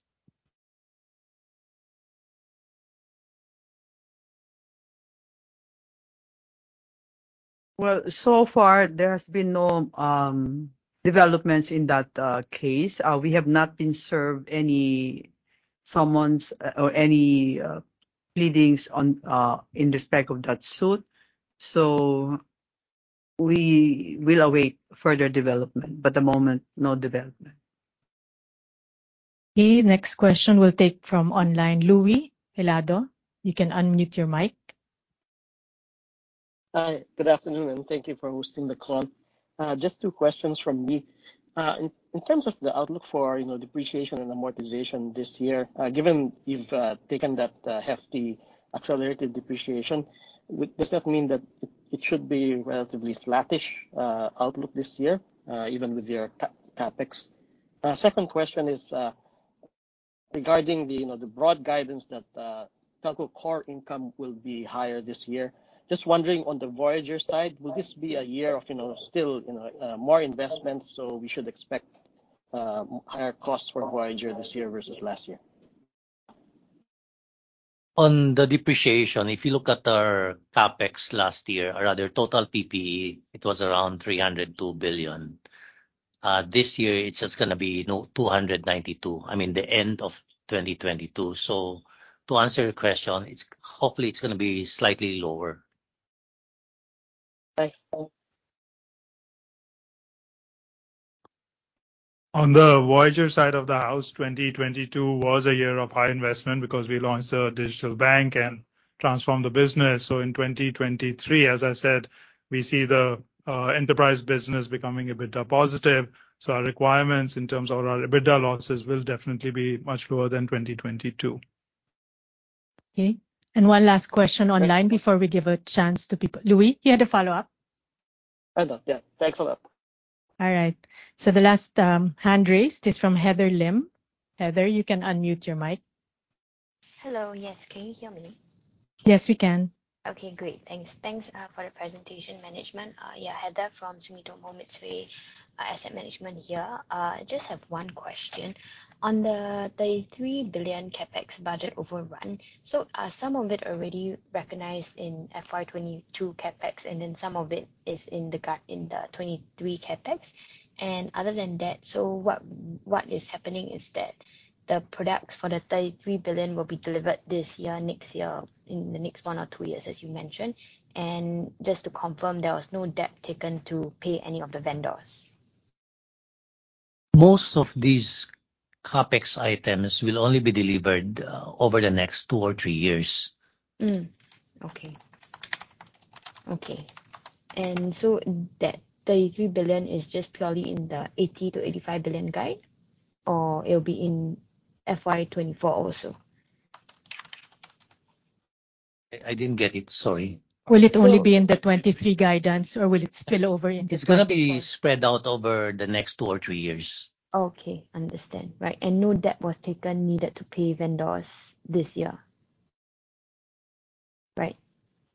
Well, so far there has been no developments in that case. We have not been served any summons or any pleadings on in respect of that suit. We will await further development. At the moment, no development. Okay. Next question we'll take from online. Luis Hilado, you can unmute your mic. Hi, good afternoon, thank you for hosting the call. Just two questions from me. In terms of the outlook for, you know, depreciation and amortization this year, given you've taken that hefty accelerated depreciation, does that mean that it should be relatively flattish outlook this year, even with your CapEx? Second question is regarding the, you know, the broad guidance that telco core income will be higher this year. Just wondering on the Voyager side, will this be a year of, you know, still, you know, more investments, so we should expect higher costs for Voyager this year versus last year? On the depreciation, if you look at our CapEx last year, or rather total PPE, it was around 302 billion. This year it's just gonna be, you know, 292 billion. I mean, the end of 2022. To answer your question, it's hopefully it's gonna be slightly lower. Thanks. On the Voyager side of the house, 2022 was a year of high investment because we launched a digital bank and transformed the business. In 2023, as I said, we see the enterprise business becoming a bit positive. Our requirements in terms of our EBITDA losses will definitely be much lower than 2022. Okay. One last question online before we give a chance to people. Louie, you had a follow-up? I don't. Yeah. Thanks a lot. All right. The last hand raised is from Heather Lim. Heather, you can unmute your mic. Hello. Yes. Can you hear me? Yes, we can. Okay, great. Thanks. Thanks for the presentation, management. Heather from Sumitomo Mitsui Asset Management here. Just have one question. On the 33 billion CapEx budget overrun, some of it already recognized in FY 2022 CapEx, and then some of it is in the 2023 CapEx. Other than that, what is happening is that the products for the 33 billion will be delivered this year, next year, in the next one or two years, as you mentioned? Just to confirm, there was no debt taken to pay any of the vendors. Most of these CapEx items will only be delivered, over the next two or three years. Okay. Okay. That 33 billion is just purely in the 80 billion-85 billion guide, or it'll be in FY 2024 also? I didn't get it. Sorry. So- Will it only be in the 2023 guidance, or will it spill over into 2025? It's gonna be spread out over the next two or three years. Okay. Understand. Right. No debt was taken needed to pay vendors this year, right?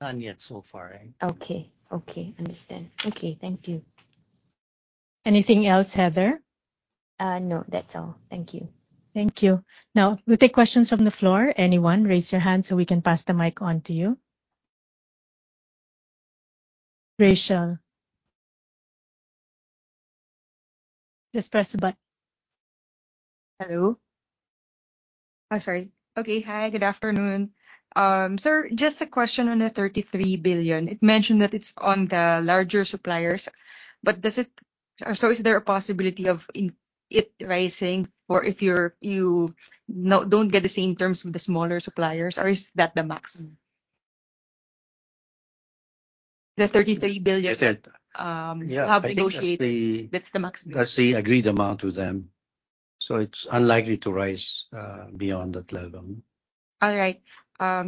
None yet so far. Okay. Okay. Understand. Okay. Thank you. Anything else, Heather? No, that's all. Thank you. Thank you. We'll take questions from the floor. Anyone, raise your hand so we can pass the mic on to you. Rachelle. Just press the button. Hello? I'm sorry. Okay. Hi, good afternoon. Sir, just a question on the ₱33 billion. It mentioned that it's on the larger suppliers, is there a possibility of it rising, or if you don't get the same terms with the smaller suppliers, or is that the maximum? The ₱33 billion. That's it. Yeah. I think that's. you have negotiated, that's the maximum. That's the agreed amount with them. It's unlikely to rise beyond that level. All right.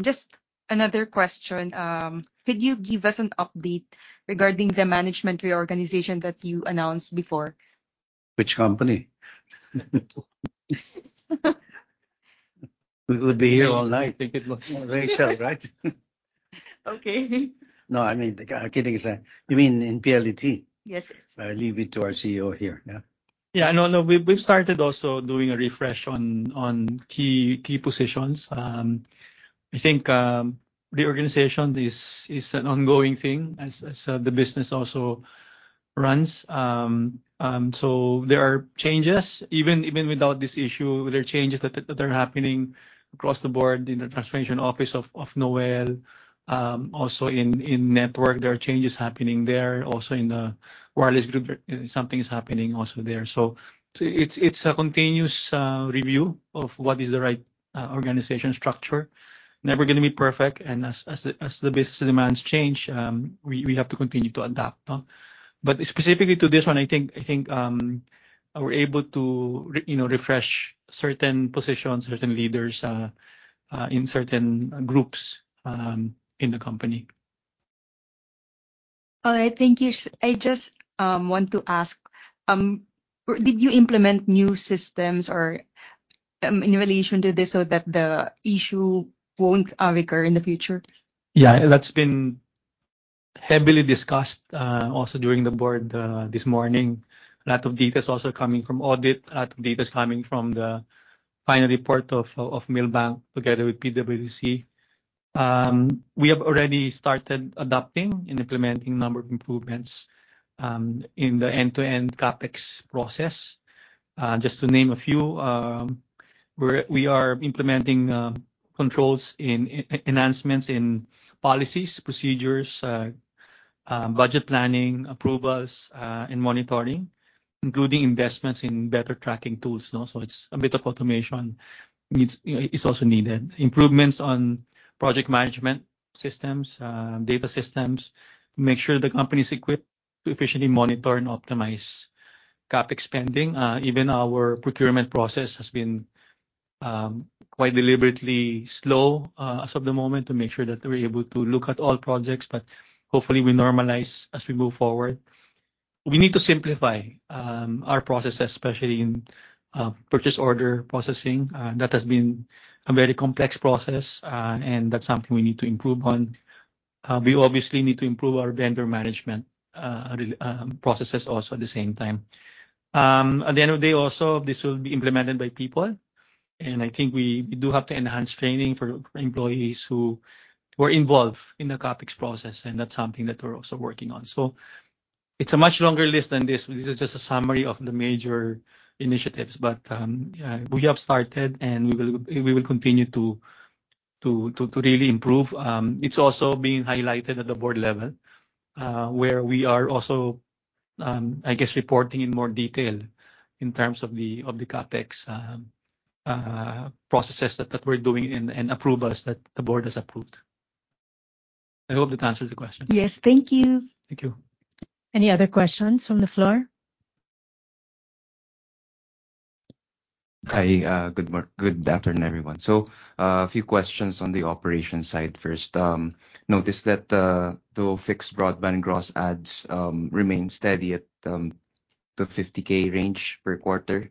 Just another question. Could you give us an update regarding the management reorganization that you announced before? Which company? We would be here all night thinking about Rachelle, right? Okay. No, I mean, kidding aside. You mean in PLDT? Yes, yes. I leave it to our CEO here. Yeah. Yeah. No, we've started also doing a refresh on key positions. I think reorganization is an ongoing thing as the business also runs. There are changes. Even without this issue, there are changes that are happening across the board in the transformation office of Noel. Also in network, there are changes happening there. Also in the wireless group, something is happening also there. It's a continuous review of what is the right organization structure. Never gonna be perfect, as the business demands change, we have to continue to adapt, no? Specifically to this one, I think, we're able to you know, refresh certain positions, certain leaders in certain groups in the company. All right. Thank you. I just want to ask, did you implement new systems or in relation to this so that the issue won't recur in the future? Yeah. That's been heavily discussed, also during the board, this morning. A lot of data is also coming from audit. A lot of data is coming from the final report of Milbank together with PwC. We have already started adapting and implementing a number of improvements in the end-to-end CapEx process. Just to name a few, we are implementing controls in enhancements in policies, procedures, budget planning, approvals, and monitoring, including investments in better tracking tools now. It's a bit of automation needs, you know, is also needed. Improvements on project management systems, data systems to make sure the company is equipped to efficiently monitor and optimize CapEx spending. Even our procurement process has been quite deliberately slow as of the moment to make sure that we're able to look at all projects. Hopefully we normalize as we move forward. We need to simplify our processes, especially in purchase order processing. That has been a very complex process, and that's something we need to improve on. We obviously need to improve our vendor management processes also at the same time. At the end of the day also, this will be implemented by people, and I think we do have to enhance training for employees who were involved in the CapEx process, and that's something that we're also working on. It's a much longer list than this. This is just a summary of the major initiatives. We have started, and we will continue to really improve. It's also being highlighted at the board level, where we are also, I guess, reporting in more detail in terms of the CapEx processes that we're doing and approvals that the board has approved. I hope that answers the question. Yes. Thank you. Thank you. Any other questions from the floor? Hi. Good afternoon, everyone. A few questions on the operations side first. Noticed that though fixed broadband gross adds remained steady at the 50K range per quarter,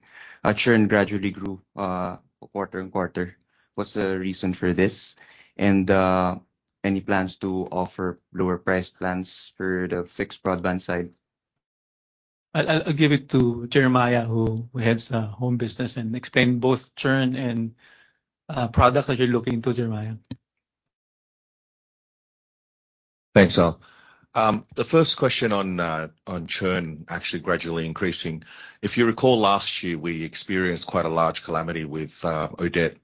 churn gradually grew quarter-on-quarter. What's the reason for this? Any plans to offer lower priced plans for the fixed broadband side? I'll give it to Jeremiah, who heads home business, and explain both churn and products that you're looking to, Jeremiah. Thanks, Al. The first question on churn actually gradually increasing. If you recall last year, we experienced quite a large calamity with Odette,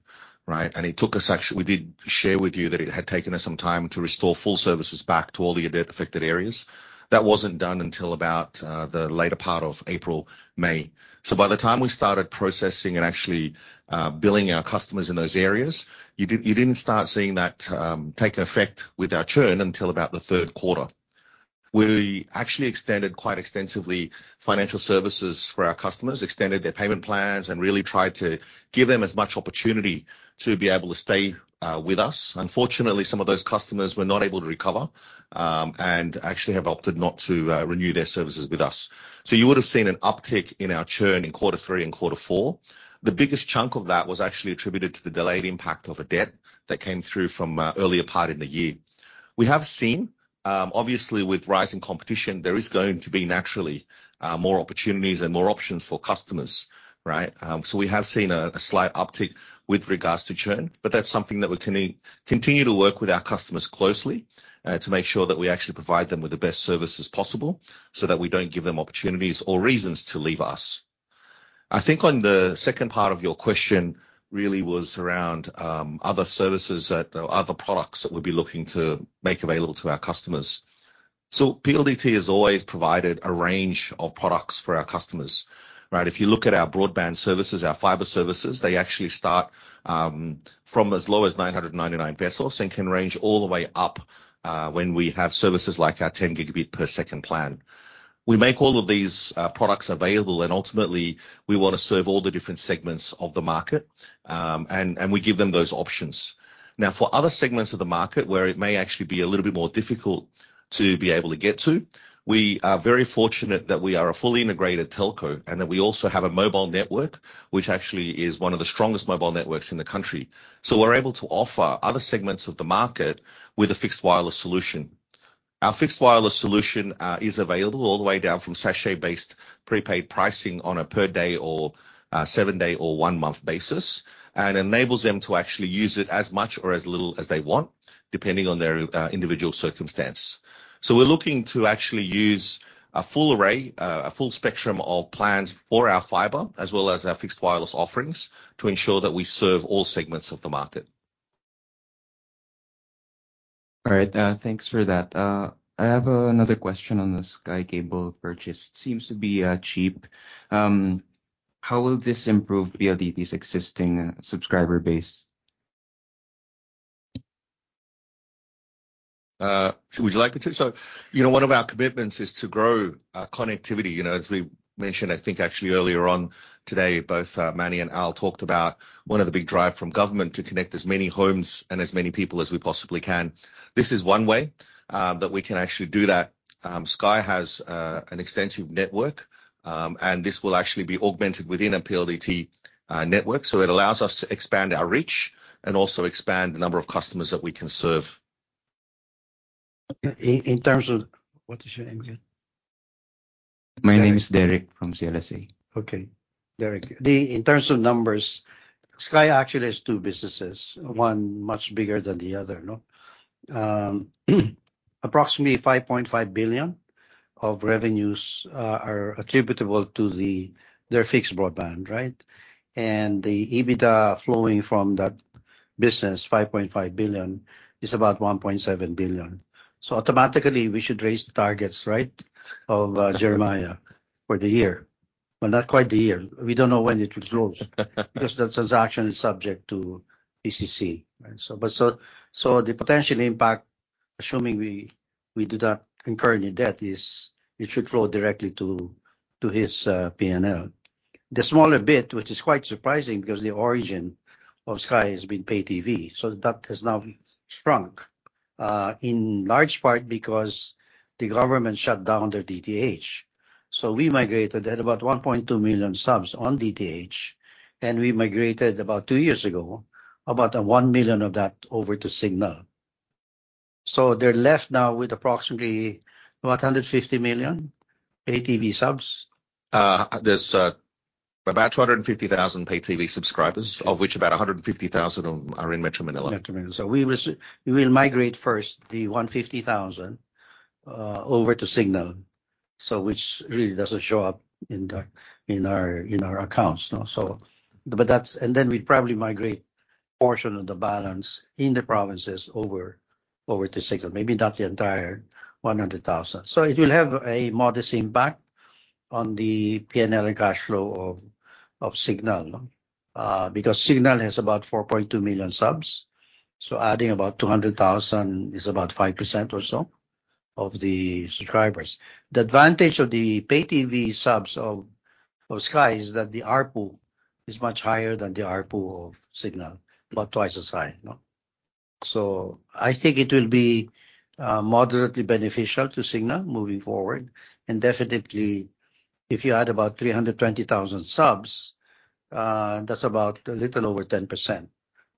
right? It took us actually. We did share with you that it had taken us some time to restore full services back to all the Odette affected areas. That wasn't done until about the later part of April, May. By the time we started processing and actually billing our customers in those areas, you didn't start seeing that take effect with our churn until about the third quarter. We actually extended quite extensively financial services for our customers, extended their payment plans and really tried to give them as much opportunity to be able to stay with us. Unfortunately, some of those customers were not able to recover, and actually have opted not to renew their services with us. You would've seen an uptick in our churn in quarter three and quarter four. The biggest chunk of that was actually attributed to the delayed impact of Odette that came through from earlier part in the year. We have seen, obviously with rising competition, there is going to be naturally more opportunities and more options for customers, right? We have seen a slight uptick with regards to churn, but that's something that we're continue to work with our customers closely, to make sure that we actually provide them with the best services possible so that we don't give them opportunities or reasons to leave us. I think on the second part of your question really was around, other services that or other products that we'd be looking to make available to our customers. PLDT has always provided a range of products for our customers, right? If you look at our broadband services, our fiber services, they actually start from as low as 999 pesos and can range all the way up, when we have services like our 10 Gbps plan. We make all of these products available, and ultimately, we wanna serve all the different segments of the market, and we give them those options. For other segments of the market where it may actually be a little bit more difficult to be able to get to, we are very fortunate that we are a fully integrated telco and that we also have a mobile network, which actually is one of the strongest mobile networks in the country. We're able to offer other segments of the market with a fixed wireless solution. Our fixed wireless solution, is available all the way down from sachet-based prepaid pricing on a per day or, seven-day or one-month basis and enables them to actually use it as much or as little as they want, depending on their individual circumstance. We're looking to actually use a full array, a full spectrum of plans for our fiber as well as our fixed wireless offerings to ensure that we serve all segments of the market. All right. thanks for that. I have another question on the Sky Cable purchase. Seems to be cheap. How will this improve PLDT's existing subscriber base? Would you like me to? You know, one of our commitments is to grow connectivity. You know, as we mentioned, I think actually earlier on today, both Manny and Al talked about one of the big drive from government to connect as many homes and as many people as we possibly can. This is one way that we can actually do that. Sky has an extensive network, and this will actually be augmented within a PLDT network. It allows us to expand our reach and also expand the number of customers that we can serve. What is your name again? My name is Derek from CLSA. Okay, Derek. In terms of numbers, Sky actually has two businesses, one much bigger than the other, no? Approximately 5.5 billion of revenues are attributable to their fixed broadband, right? The EBITDA flowing from that business, 5.5 billion, is about 1.7 billion. Automatically we should raise the targets, right, of Jeremiah for the year. Well, not quite the year. We don't know when it will close because the transaction is subject to PCC, right? The potential impact, assuming we do that concurrent in debt is it should flow directly to his P&L. The smaller bit, which is quite surprising because the origin of Sky has been pay TV, so that has now shrunk in large part because the government shut down their DTH. We migrated at about 1.2 million subs on DTH, and we migrated about two years ago, about, 1 million of that over to Cignal. They're left now with approximately about 150 million pay TV subs. There's about 250,000 pay TV subscribers, of which about 150,000 of them are in Metro Manila. Metro Manila. We will migrate first the 150,000 over to Cignal. Which really doesn't show up in our accounts, no? Then we'd probably migrate a portion of the balance in the provinces over to Cignal, maybe not the entire 100,000. It will have a modest impact on the P&L and cash flow of Cignal because Cignal has about 4.2 million subs, so adding about 200,000 is about 5% or so of the subscribers. The advantage of the pay TV subs of Sky is that the ARPU is much higher than the ARPU of Cignal, about 2x as high, no? I think it will be moderately beneficial to Cignal moving forward. Definitely if you add about 320,000 subs, that's about a little over 10%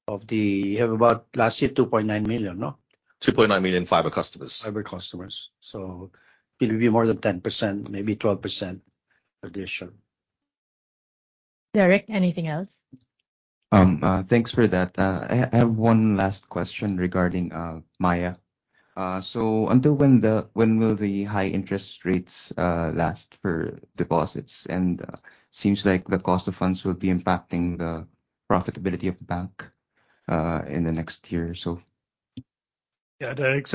of the. You have about last year, 2.9 million, no? 2.9 million fiber customers. Fiber customers. It'll be more than 10%, maybe 12% addition. Derek, anything else? Thanks for that. I have one last question regarding Maya. Until when will the high interest rates last for deposits? Seems like the cost of funds will be impacting the profitability of the bank in the next year or so. Yeah, Derek.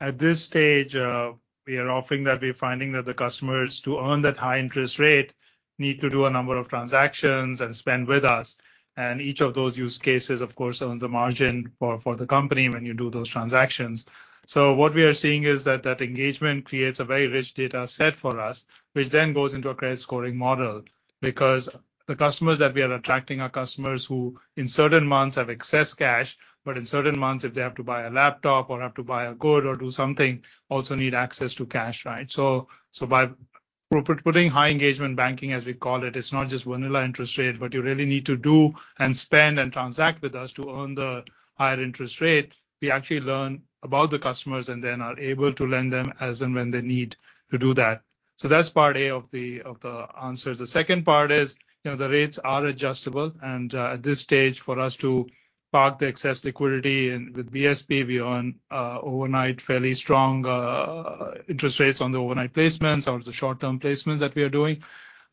At this stage, we are offering that we're finding that the customers to earn that high interest rate need to do a number of transactions and spend with us. Each of those use cases, of course, owns a margin for the company when you do those transactions. What we are seeing is that that engagement creates a very rich data set for us which then goes into a credit scoring model. The customers that we are attracting are customers who in certain months have excess cash, but in certain months, if they have to buy a laptop or have to buy a good or do something, also need access to cash, right? By putting high engagement banking, as we call it's not just vanilla interest rate, but you really need to do and spend and transact with us to earn the higher interest rate. We actually learn about the customers and then are able to lend them as and when they need to do that. That's part A of the answer. The second part is, you know, the rates are adjustable. At this stage, for us to park the excess liquidity and with BSP we earn overnight fairly strong interest rates on the overnight placements or the short-term placements that we are doing.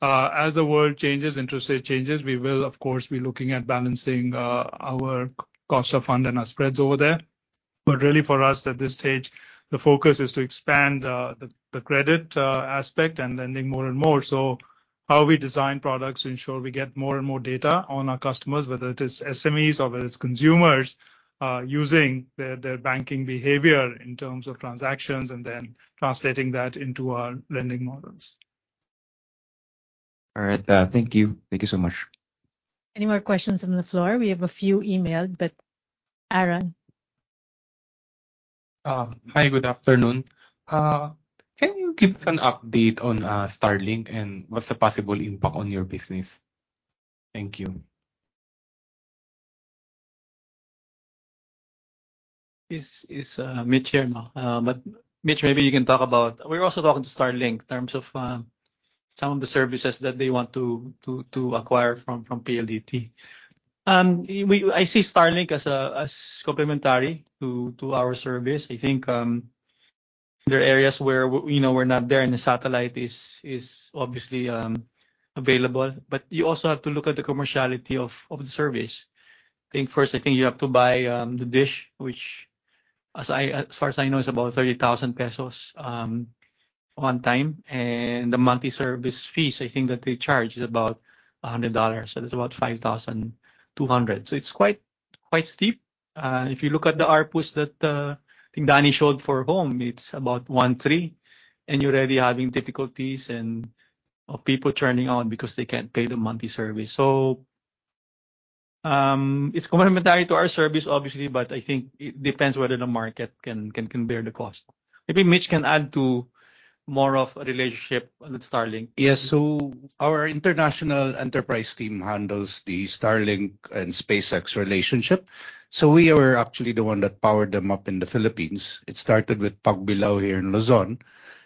As the world changes, interest rate changes, we will of course, be looking at balancing our cost of fund and our spreads over there. Really for us at this stage, the focus is to expand the credit aspect and lending more and more. How we design products to ensure we get more and more data on our customers, whether it is SMEs or whether it's consumers using their banking behavior in terms of transactions and then translating that into our lending models. All right. Thank you. Thank you so much. Any more questions on the floor? We have a few emailed, but Aaron. Hi, good afternoon. Can you give us an update on Starlink and what's the possible impact on your business? Thank you. Is Mitch here now? Mitch, maybe you can talk about... We're also talking to Starlink in terms of some of the services that they want to acquire from PLDT. I see Starlink as complementary to our service. I think, there are areas where we, you know, we're not there and the satellite is obviously available. You also have to look at the commerciality of the service. I think first I think you have to buy the dish which as I, as far as I know, is about 30,000 pesos one time. The monthly service fees, I think that they charge is about $100, so that's about 5,200. It's quite steep. If you look at the ARPU that I think Danny showed for home, it's about 13, and people turning on because they can't pay the monthly service. It's complementary to our service, obviously, but I think it depends whether the market can bear the cost. Maybe Mitch can add to more of a relationship with Starlink. Yes. Our international enterprise team handles the Starlink and SpaceX relationship. We were actually the one that powered them up in the Philippines. It started with Pagbilao here in Luzon.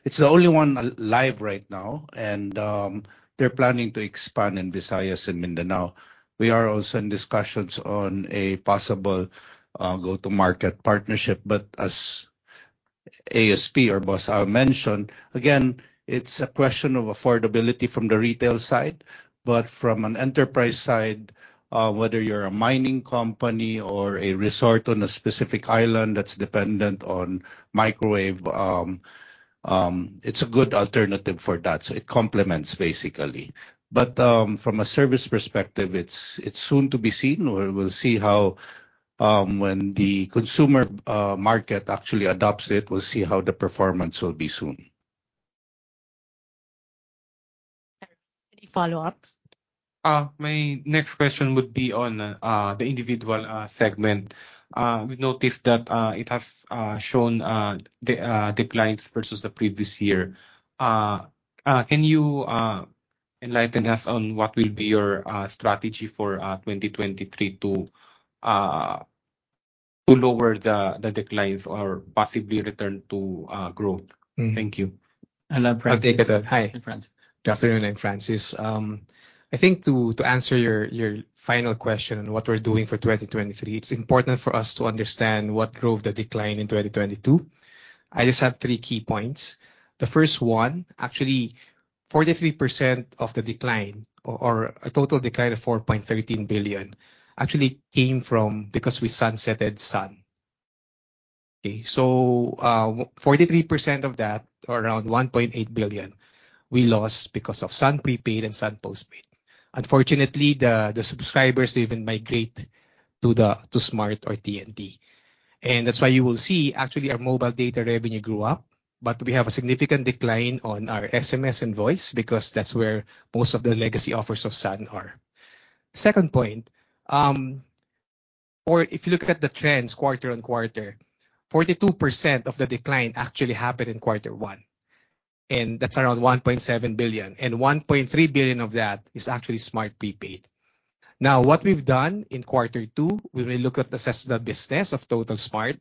It's the only one live right now, and they're planning to expand in Visayas and Mindanao. We are also in discussions on a possible go-to-market partnership. As ASP or boss Al mentioned, again, it's a question of affordability from the retail side. From an enterprise side, whether you're a mining company or a resort on a specific island that's dependent on microwave, it's a good alternative for that. It complements, basically. From a service perspective, it's soon to be seen, or we'll see how when the consumer market actually adopts it. We'll see how the performance will be soon. Any follow-ups? My next question would be on the individual segment. We noticed that it has shown the declines versus the previous year. Can you enlighten us on what will be your strategy for 2023 to lower the declines or possibly return to growth? Mm-hmm. Thank you. I'll have Francis. I'll take it. Hi. Francis. Good afternoon. I'm Francis. I think to answer your final question on what we're doing for 2023, it's important for us to understand what drove the decline in 2022. I just have three key points. The first one, actually 43% of the decline or a total decline of 4.13 billion actually came from because we sunsetted Sun. 43% of that or around 1.8 billion we lost because of Sun Prepaid and Sun Postpaid. Unfortunately, the subscribers even migrate to Smart or TNT. That's why you will see actually our mobile data revenue grew up, but we have a significant decline on our SMS and voice because that's where most of the legacy offers of Sun are. Second point, or if you look at the trends quarter-on-quarter, 42% of the decline actually happened in quarter one. That's around 1.7 billion, and 1.3 billion of that is actually Smart Prepaid. What we've done in quarter two, when we assess the business of Total Smart,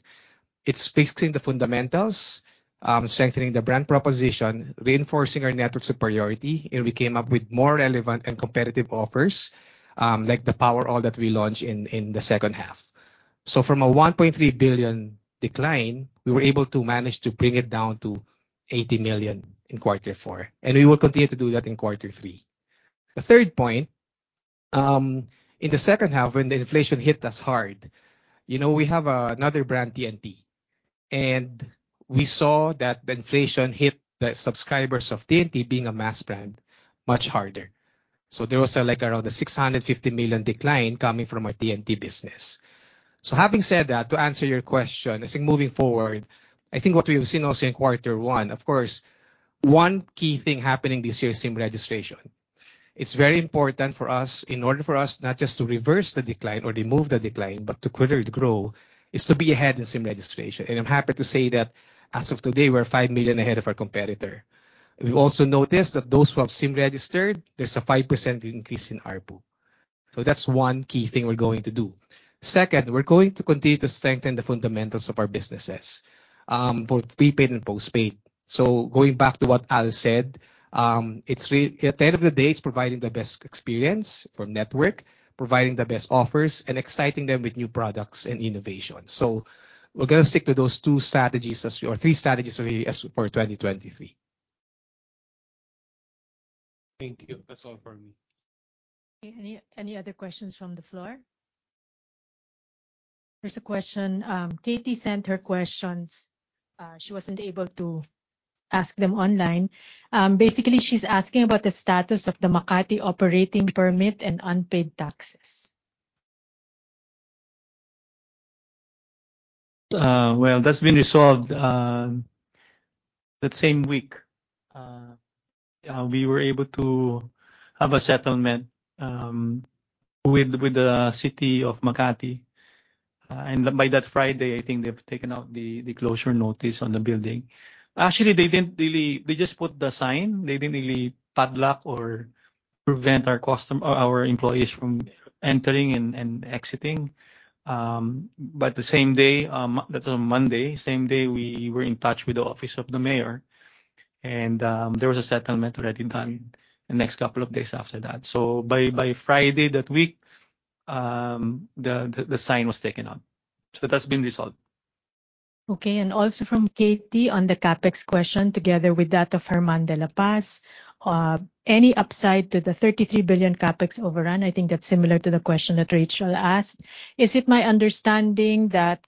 it's fixing the fundamentals, strengthening the brand proposition, reinforcing our network superiority, and we came up with more relevant and competitive offers, like the Power All that we launched in the second half. From a 1.3 billion decline, we were able to manage to bring it down to 80 million in quarter four. We will continue to do that in quarter three. The third point, in the second half when the inflation hit us hard, you know, we have another brand, TNT, and we saw that the inflation hit the subscribers of TNT being a mass brand much harder. There was, like, around a 650 million decline coming from our TNT business. Having said that to answer your question, I think moving forward, what we have seen also in quarter one, of course, one key thing happening this year is SIM registration. It's very important for us in order for us not just to reverse the decline or remove the decline but to clearly grow, is to be ahead in SIM registration. I'm happy to say that as of today we're 5 million ahead of our competitor. We've also noticed that those who have SIM registered, there's a 5% increase in ARPU. That's one key thing we're going to do. Second, we're going to continue to strengthen the fundamentals of our businesses for prepaid and postpaid. Going back to what Al said, at the end of the day, it's providing the best experience for network, providing the best offers, and exciting them with new products and innovation. We're gonna stick to those two strategies or three strategies really as for 2023. Thank you. That's all for me. Okay. Any other questions from the floor? There's a question. Katie sent her questions. She wasn't able to ask them online. Basically she's asking about the status of the Makati operating permit and unpaid taxes. Well, that's been resolved that same week. We were able to have a settlement with the city of Makati. By that Friday, I think they've taken out the closure notice on the building. Actually, they didn't really. They just put the sign. They didn't really padlock or prevent our employees from entering and exiting. The same day, that's on Monday, same day we were in touch with the Office of the Mayor and there was a settlement already done the next couple of days after that. By Friday that week, the sign was taken out. That's been resolved. Okay. Also from Katie on the CapEx question together with that of Herman de la Paz, any upside to the 33 billion CapEx overrun? I think that's similar to the question that Rachelle asked. Is it my understanding that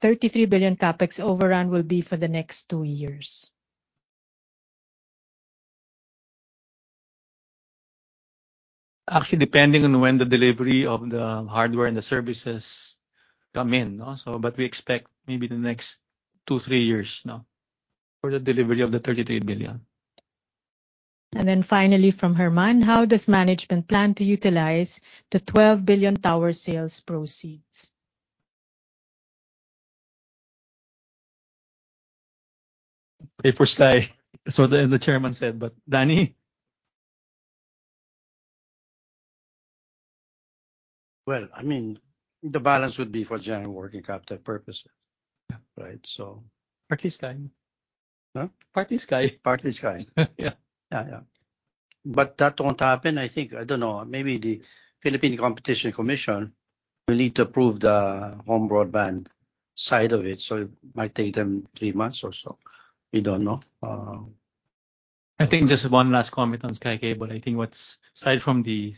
33 billion CapEx overrun will be for the next two years? Actually, depending on when the delivery of the hardware and the services come in. We expect maybe the next two, three years now for the delivery of the 33 billion. Finally from Herman: "How does management plan to utilize the 12 billion tower sales proceeds? Pay for Sky. That's what the Chairman said, Danny? Well, I mean, the balance would be for general working capital purposes. Yeah. Right? Partly Sky. Huh? Partly Sky. Partly Sky. Yeah. Yeah, yeah. That won't happen, I think. I don't know. Maybe the Philippine Competition Commission will need to approve the home broadband side of it might take them three months or so. We don't know. I think just one last comment on Sky Cable. Aside from the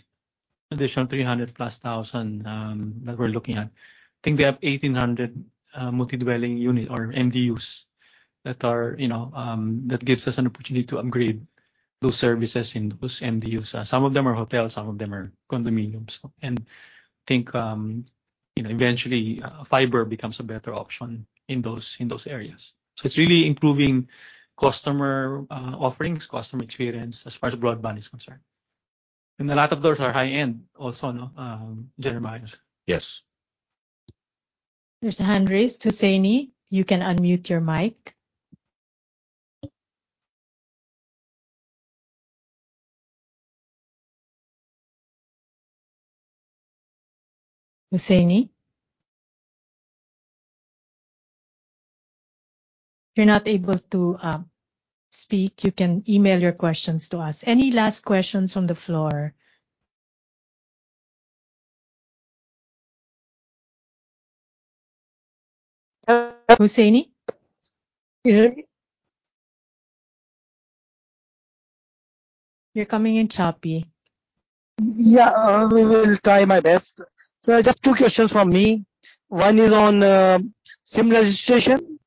additional 300+ thousand, that we're looking at, I think we have 1,800 multi-dwelling unit or MDUs that are, you know, that gives us an opportunity to upgrade those services in those MDUs. Some of them are hotels, some of them are condominiums. I think, you know, eventually fiber becomes a better option in those, in those areas. So it's really improving customer offerings, customer experience as far as broadband is concerned. A lot of those are high-end also, no, Jeremiah? Yes. There's a hand raised. Hussaini, you can unmute your mic. Hussaini? If you're not able to speak, you can email your questions to us. Any last questions from the floor? Hussaini? Yeah. You're coming in choppy. Yeah, we will try my best. Just two questions from me. One is on SIM registration.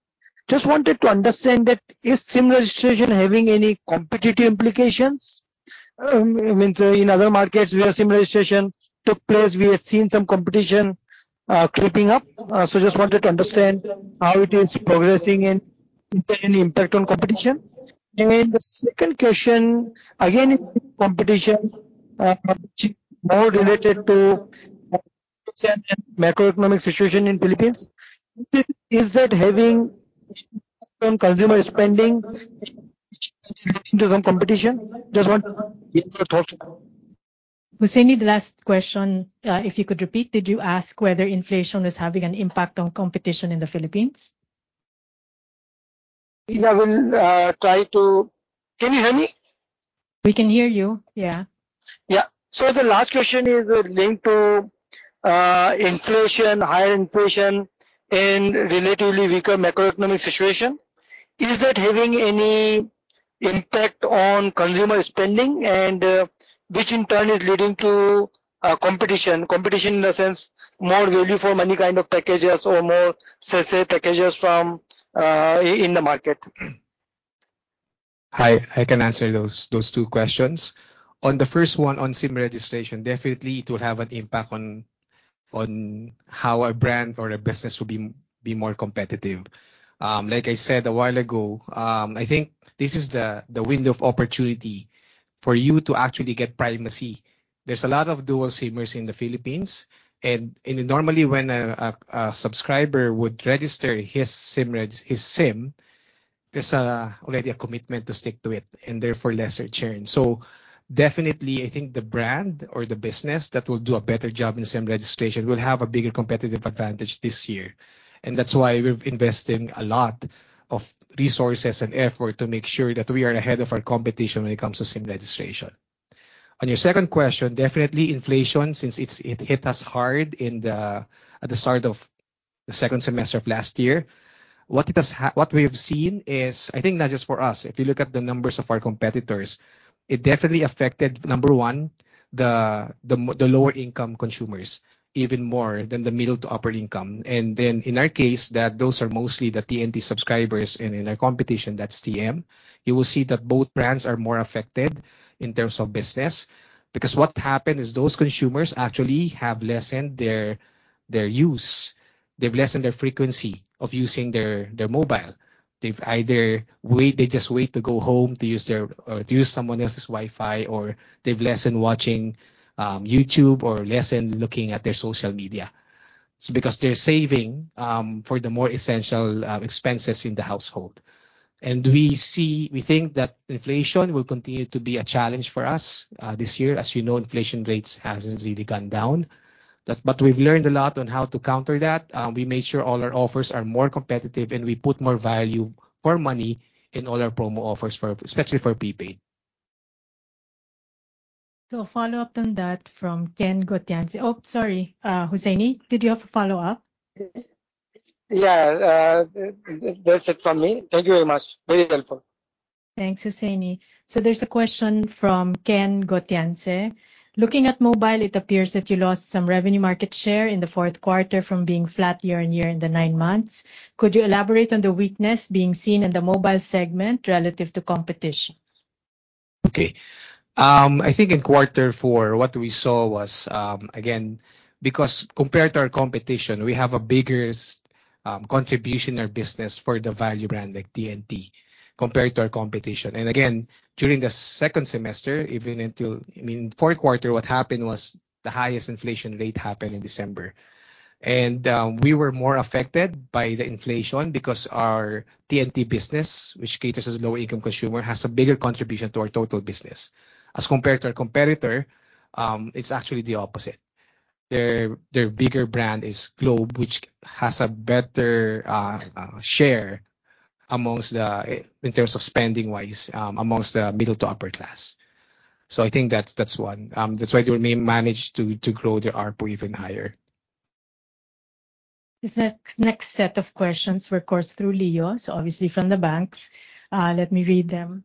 Just wanted to understand that is SIM registration having any competitive implications? I mean, in other markets where SIM registration took place, we have seen some competition creeping up. Just wanted to understand how it is progressing and is there any impact on competition? The second question, again, is competition more related to the current macroeconomic situation in the Philippines. Is it, is that having some consumer spending leading to some competition? Just want your thoughts. Hussaini, the last question, if you could repeat. Did you ask whether inflation is having an impact on competition in the Philippines? Yeah, we'll. Can you hear me? We can hear you, yeah. Yeah. The last question is related to inflation, higher inflation and relatively weaker macroeconomic situation. Is that having any impact on consumer spending, and which in turn is leading to competition in the sense more value for money kind of packages or more, say packages from in the market? I can answer those two questions. On the first one, on SIM registration, definitely it will have an impact on how a brand or a business will be more competitive. Like I said a while ago, I think this is the window of opportunity for you to actually get primacy. There's a lot of dual SIMers in the Philippines, and normally when a subscriber would register his SIM, there's already a commitment to stick to it, and therefore lesser churn. Definitely I think the brand or the business that will do a better job in SIM registration will have a bigger competitive advantage this year. That's why we're investing a lot of resources and effort to make sure that we are ahead of our competition when it comes to SIM registration. On your second question, definitely inflation, since it's, it hit us hard at the start of the second semester of last year. What we have seen is, I think not just for us, if you look at the numbers of our competitors, it definitely affected, number one, the lower income consumers even more than the middle to upper income. In our case, that those are mostly the TNT subscribers, and in our competition, that's TM. You will see that both brands are more affected in terms of business, because what happened is those consumers actually have lessened their use. They've lessened their frequency of using their mobile. They've either they just wait to go home to use their, or to use someone else's Wi-Fi, or they've lessened watching YouTube or lessened looking at their social media. Because they're saving for the more essential expenses in the household. We see, we think that inflation will continue to be a challenge for us this year. As you know, inflation rates hasn't really gone down. We've learned a lot on how to counter that. We made sure all our offers are more competitive, and we put more value for money in all our promo offers for, especially for prepaid. A follow-up on that from Ken Gotianse. Oh, sorry, Hussaini, did you have a follow-up? That's it from me. Thank you very much. Very helpful. Thanks, Hussaini. There's a question from Ken Gotianse: "Looking at mobile, it appears that you lost some revenue market share in the fourth quarter from being flat year-on-year in the nine months. Could you elaborate on the weakness being seen in the mobile segment relative to competition? Okay. I think in quarter four, what we saw was again, because compared to our competition, we have a biggest contribution or business for the value brand like TNT compared to our competition. Again, during the second semester, even until, I mean, fourth quarter, what happened was the highest inflation rate happened in December. We were more affected by the inflation because our TNT business, which caters as low income consumer, has a bigger contribution to our total business. As compared to our competitor, it's actually the opposite. Their bigger brand is Globe, which has a better share amongst the in terms of spending-wise, amongst the middle to upper class. I think that's one. That's why they may manage to grow their ARPU even higher. This next set of questions were, of course, through Leo's, obviously from the banks. Let me read them.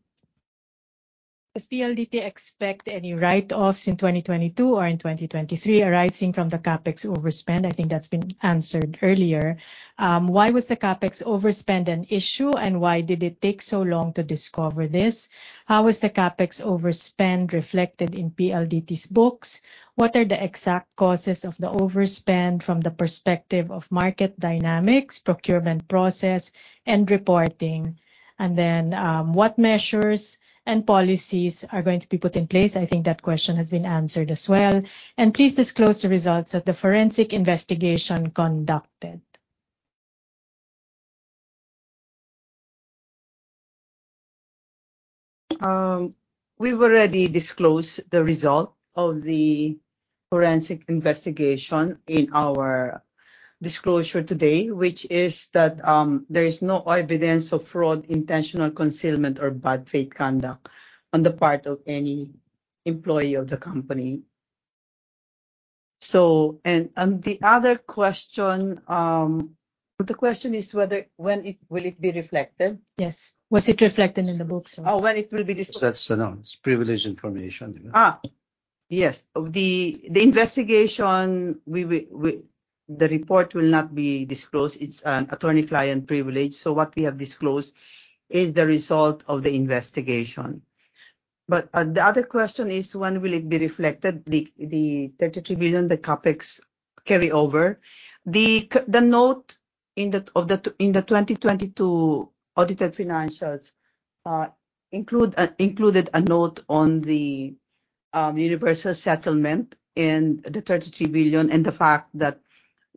Does PLDT expect any write-offs in 2022 or in 2023 arising from the CapEx overspend? I think that's been answered earlier. Why was the CapEx overspend an issue, and why did it take so long to discover this? How was the CapEx overspend reflected in PLDT's books? What are the exact causes of the overspend from the perspective of market dynamics, procurement process, and reporting? Then, what measures and policies are going to be put in place? I think that question has been answered as well. Please disclose the results of the forensic investigation conducted. We've already disclosed the result of the forensic investigation in our disclosure today, which is that, there is no evidence of fraud, intentional concealment, or bad faith conduct on the part of any employee of the company. On the other question, the question is whether when it will it be reflected? Yes. Was it reflected in the books or? Oh, when it will be. That's announced. It's privileged information. Yes. The investigation, we will the report will not be disclosed. It's an attorney-client privilege, what we have disclosed is the result of the investigation. The other question is when will it be reflected, the 33 billion, the CapEx carryover. The note in the 2022 audited financials included a note on the universal settlement and the 33 billion and the fact that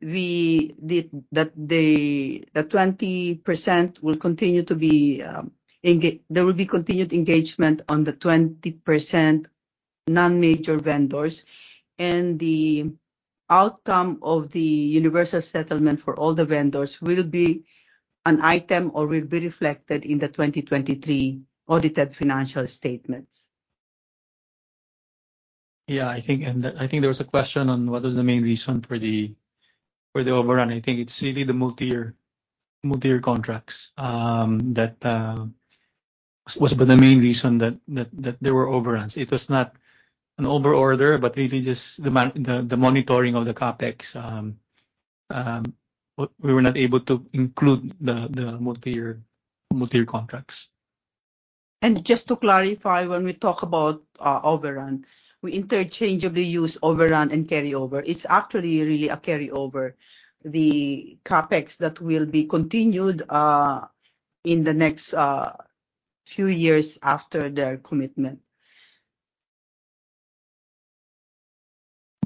there will be continued engagement on the 20% non-major vendors. The outcome of the universal settlement for all the vendors will be an item or will be reflected in the 2023 audited financial statements. I think there was a question on what is the main reason for the, for the overrun. I think it's really the multi-year contracts that was the main reason that there were overruns. It was not an overorder, but really just the monitoring of the CapEx. We were not able to include the multi-year contracts. Just to clarify, when we talk about overrun, we interchangeably use overrun and carryover. It's actually really a carryover, the CapEx that will be continued in the next few years after their commitment.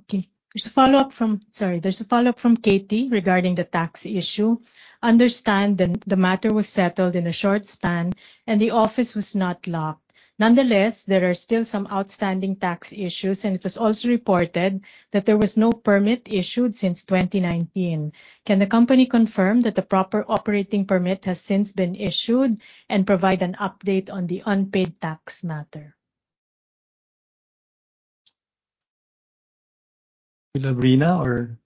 Okay. There's a follow-up from Katie regarding the tax issue. Understand the matter was settled in a short stand, and the office was not locked. Nonetheless, there are still some outstanding tax issues, and it was also reported that there was no permit issued since 2019. Can the company confirm that the proper operating permit has since been issued and provide an update on the unpaid tax matter? Lorena or?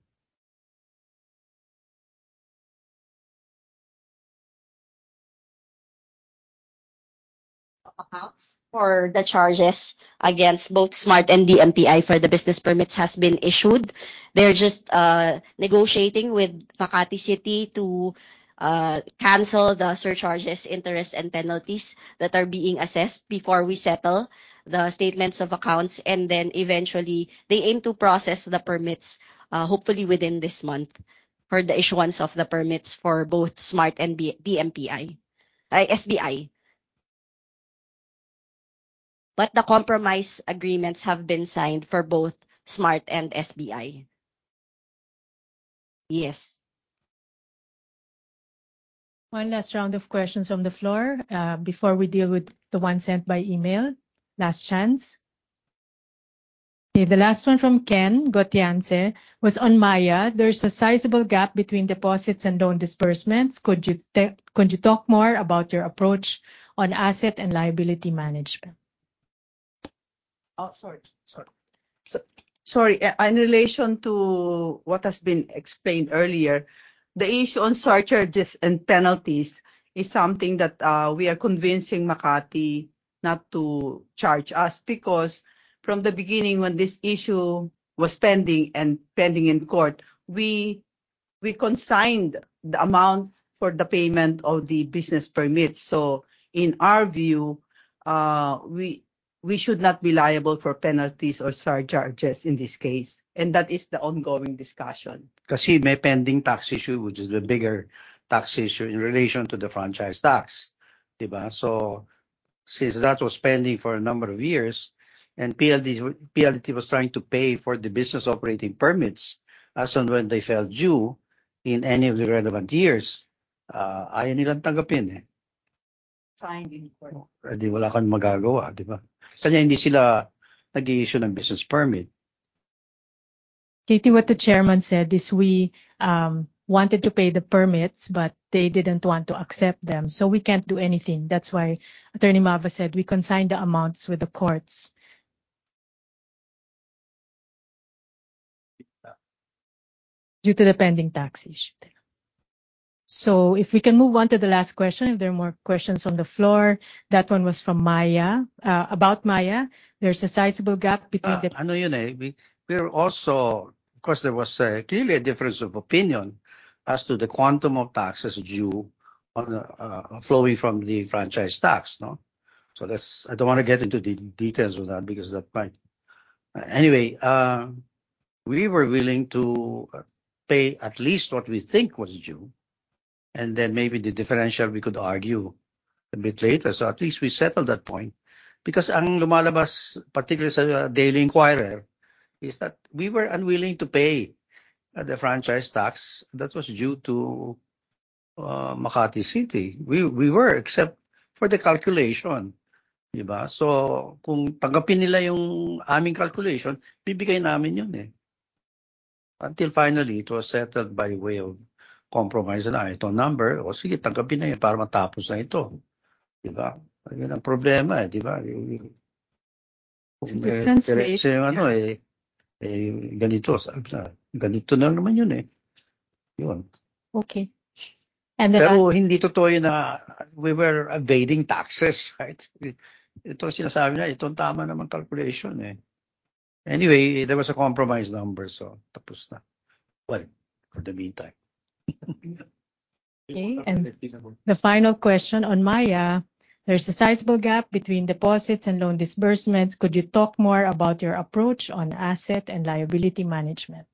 Accounts for the charges against both Smart and DMPI for the business permits has been issued. They're just negotiating with Makati City to cancel the surcharges, interest, and penalties that are being assessed before we settle the statements of accounts. Eventually, they aim to process the permits, hopefully within this month for the issuance of the permits for both Smart and B-DMPI, SBI. The compromise agreements have been signed for both Smart and SBI. Yes. One last round of questions from the floor before we deal with the one sent by email. Last chance. Okay, the last one from Ken Gotianze was on Maya. There's a sizable gap between deposits and loan disbursements. Could you talk more about your approach on asset and liability management? Sorry. In relation to what has been explained earlier, the issue on surcharges and penalties is something that we are convincing Makati not to charge us because from the beginning when this issue was pending in court, we We consigned the amount for the payment of the business permits. In our view, we should not be liable for penalties or surcharges in this case. That is the ongoing discussion. Kasi may pending tax issue, which is the bigger tax issue in relation to the franchise tax. 'Di ba? Since that was pending for a number of years, PLDT was trying to pay for the business operating permits as and when they fell due in any of the relevant years, ayaw nilang tanggapin eh. Signed in court. Eh 'di wala kang magagawa, 'di ba? Sana hindi sila nag-i-issue ng business permit. Katie, what the Chairman said is we wanted to pay the permits. They didn't want to accept them, we can't do anything. That's why Attorney Ma Va said we consigned the amounts with the courts. Due to the pending tax issue. If we can move on to the last question, if there are more questions from the floor. That one was from Maya. About Maya, there's a sizable gap between. Ano yung eh, we're also, of course, there was clearly a difference of opinion as to the quantum of taxes due on flowing from the franchise tax, no? That's, I don't wanna get into details of that because that might... Anyway, we were willing to pay at least what we think was due, and then maybe the differential we could argue a bit later. At least we settled that point because ang lumalabas, particularly sa Daily Inquirer, is that we were unwilling to pay the franchise tax that was due to Makati City. We were, except for the calculation, 'di ba? Kung tanggapin nila yung aming calculation, bibigay namin yun eh. Until finally it was settled by way of compromise na ayan yung number. Oh sige, tanggapin na yan para matapos na ito. 'Di ba? Yan ang problema eh, 'di ba? Difference rate, yeah. Eh, ganito. Ganito na naman yun eh. Yun. Okay. the last- Pero hindi totoo yun na we were evading taxes, right? Ito sinasabi na ito ang tama namang calculation eh. Anyway, there was a compromise number, so tapos na. Well, for the meantime. Okay. The final question on Maya. There's a sizable gap between deposits and loan disbursements. Could you talk more about your approach on asset and liability management?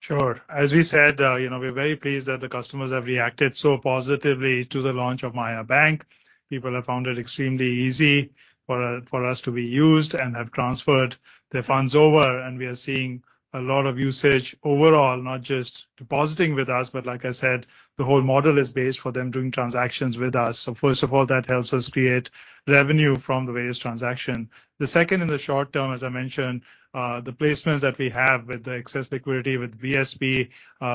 Sure. As we said, you know, we're very pleased that the customers have reacted so positively to the launch of Maya Bank. People have found it extremely easy for us to be used and have transferred their funds over. We are seeing a lot of usage overall, not just depositing with us, but like I said, the whole model is based for them doing transactions with us. First of all, that helps us create revenue from the various transaction. The second in the short term, as I mentioned, the placements that we have with the excess liquidity with BSP,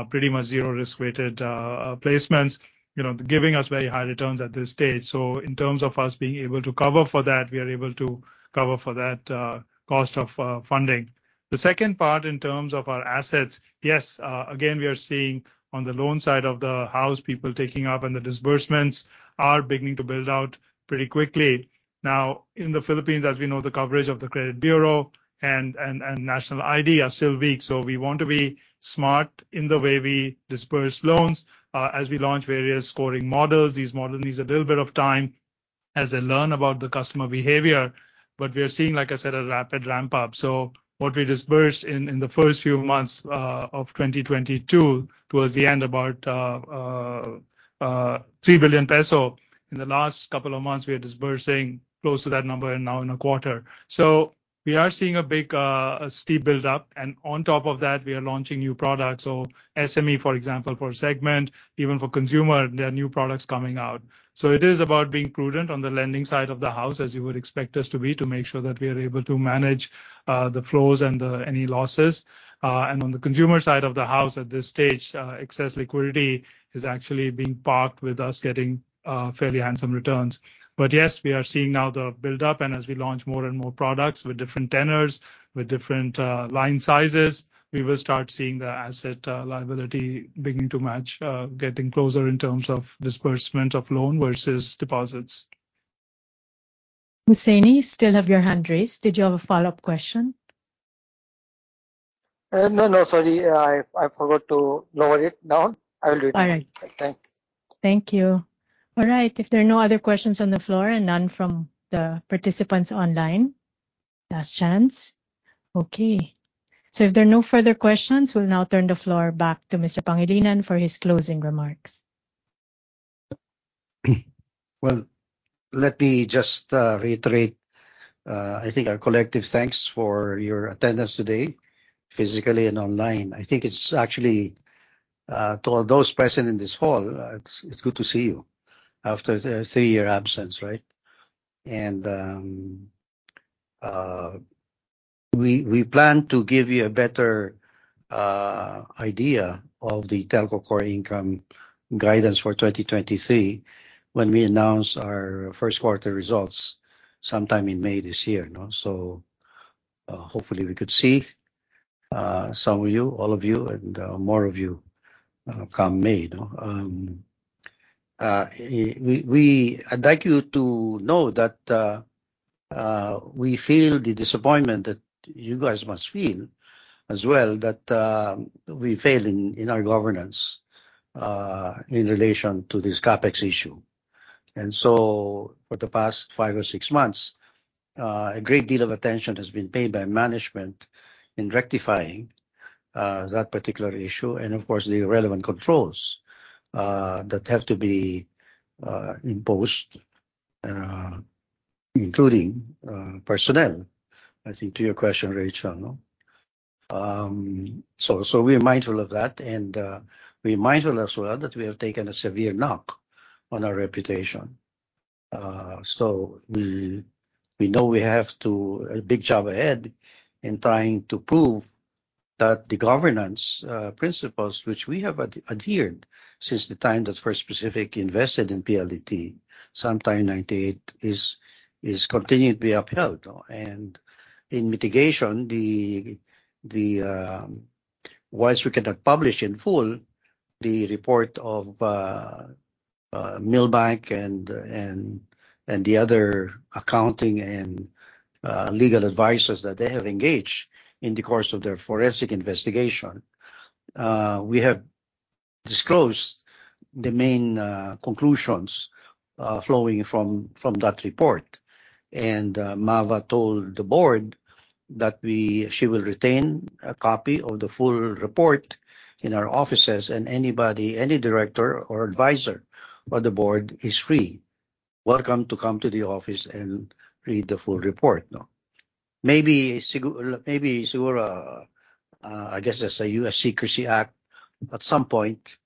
pretty much zero risk-weighted placements, you know, giving us very high returns at this stage. In terms of us being able to cover for that, we are able to cover for that cost of funding. The second part in terms of our assets, yes, again, we are seeing on the loan side of the house, people taking up and the disbursements are beginning to build out pretty quickly. Now, in the Philippines, as we know, the coverage of the credit bureau and national ID are still weak, so we want to be smart in the way we disperse loans, as we launch various scoring models. These model needs a little bit of time as they learn about the customer behavior. But we are seeing, like I said, a rapid ramp-up. So what we disbursed in the first few months, of 2022 towards the end about 3 billion peso. In the last couple of months, we are disbursing close to that number and now in a quarter. We are seeing a big, a steep build-up, and on top of that, we are launching new products. SME, for example, for segment, even for consumer, there are new products coming out. It is about being prudent on the lending side of the house, as you would expect us to be, to make sure that we are able to manage the flows and any losses. On the consumer side of the house at this stage, excess liquidity is actually being parked with us getting fairly handsome returns. Yes, we are seeing now the build-up, and as we launch more and more products with different tenors, with different line sizes, we will start seeing the asset liability begin to match, getting closer in terms of disbursement of loan versus deposits. Hussaini, you still have your hand raised. Did you have a follow-up question? No, sorry. I forgot to lower it down. I will do that. All right. Thanks. Thank you. All right. If there are no other questions on the floor and none from the participants online, last chance. Okay. If there are no further questions, we'll now turn the floor back to Mr. Pangilinan for his closing remarks. Well, let me just reiterate, I think our collective thanks for your attendance today, physically and online. I think it's actually, to all those present in this hall, it's good to see you after a three-year absence, right? We plan to give you a better idea of the telco core income guidance for 2023 when we announce our first quarter results sometime in May this year, you know. Hopefully we could see some of you, all of you, and more of you, come May, no? I'd like you to know that we feel the disappointment that you guys must feel as well that we failed in our governance, in relation to this CapEx issue. For the past five or six months, a great deal of attention has been paid by management in rectifying that particular issue and of course the relevant controls that have to be imposed, including personnel, I think to your question, Rachelle, no? We're mindful of that and we're mindful as well that we have taken a severe knock on our reputation. We know we have a big job ahead in trying to prove that the governance principles which we have adhered since the time that First Pacific invested in PLDT, sometime 1998, is continuing to be upheld. In mitigation, the whilst we cannot publish in full the report of Milbank and the other accounting and legal advisors that they have engaged in the course of their forensic investigation, we have disclosed the main conclusions flowing from that report. Ma Va told the board that she will retain a copy of the full report in our offices and anybody, any director or advisor on the board is free, welcome to come to the office and read the full report. Maybe Siguro, I guess as a Bank Secrecy Act at some point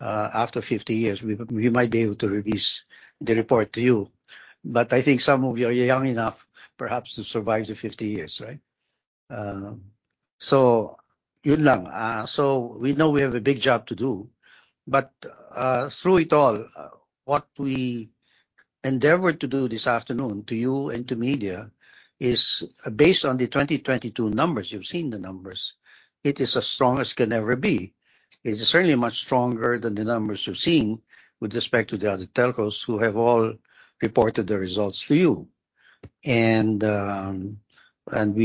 after 50 years, we might be able to release the report to you. I think some of you are young enough perhaps to survive the 50 years, right? You lang. We know we have a big job to do, but through it all, what we endeavor to do this afternoon to you and to media is based on the 2022 numbers, you've seen the numbers. It is as strong as can ever be. It's certainly much stronger than the numbers you've seen with respect to the other telcos who have all reported their results to you. We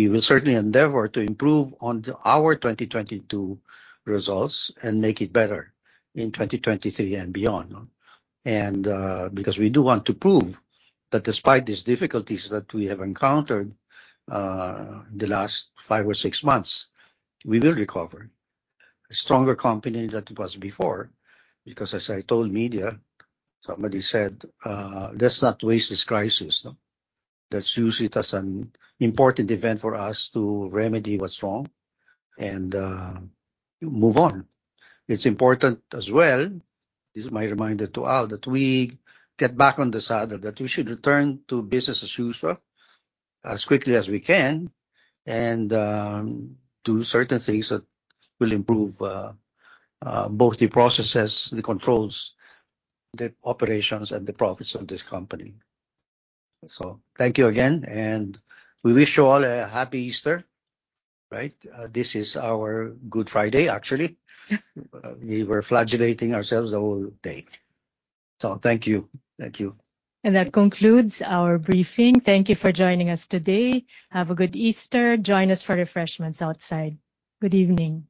will certainly endeavor to improve on our 2022 results and make it better in 2023 and beyond, no? Because we do want to prove that despite these difficulties that we have encountered, the last five or six months, we will recover. A stronger company than it was before, because as I told media, somebody said, "Let's not waste this crisis, no? Let's use it as an important event for us to remedy what's wrong and move on." It's important as well, this is my reminder to Al, that we get back on the saddle, that we should return to business as usual as quickly as we can and do certain things that will improve both the processes, the controls, the operations, and the profits of this company. Thank you again, and we wish you all a Happy Easter. Right? This is our Good Friday, actually. We were flagellating ourselves the whole day. Thank you. Thank you. That concludes our briefing. Thank you for joining us today. Have a good Easter. Join us for refreshments outside. Good evening.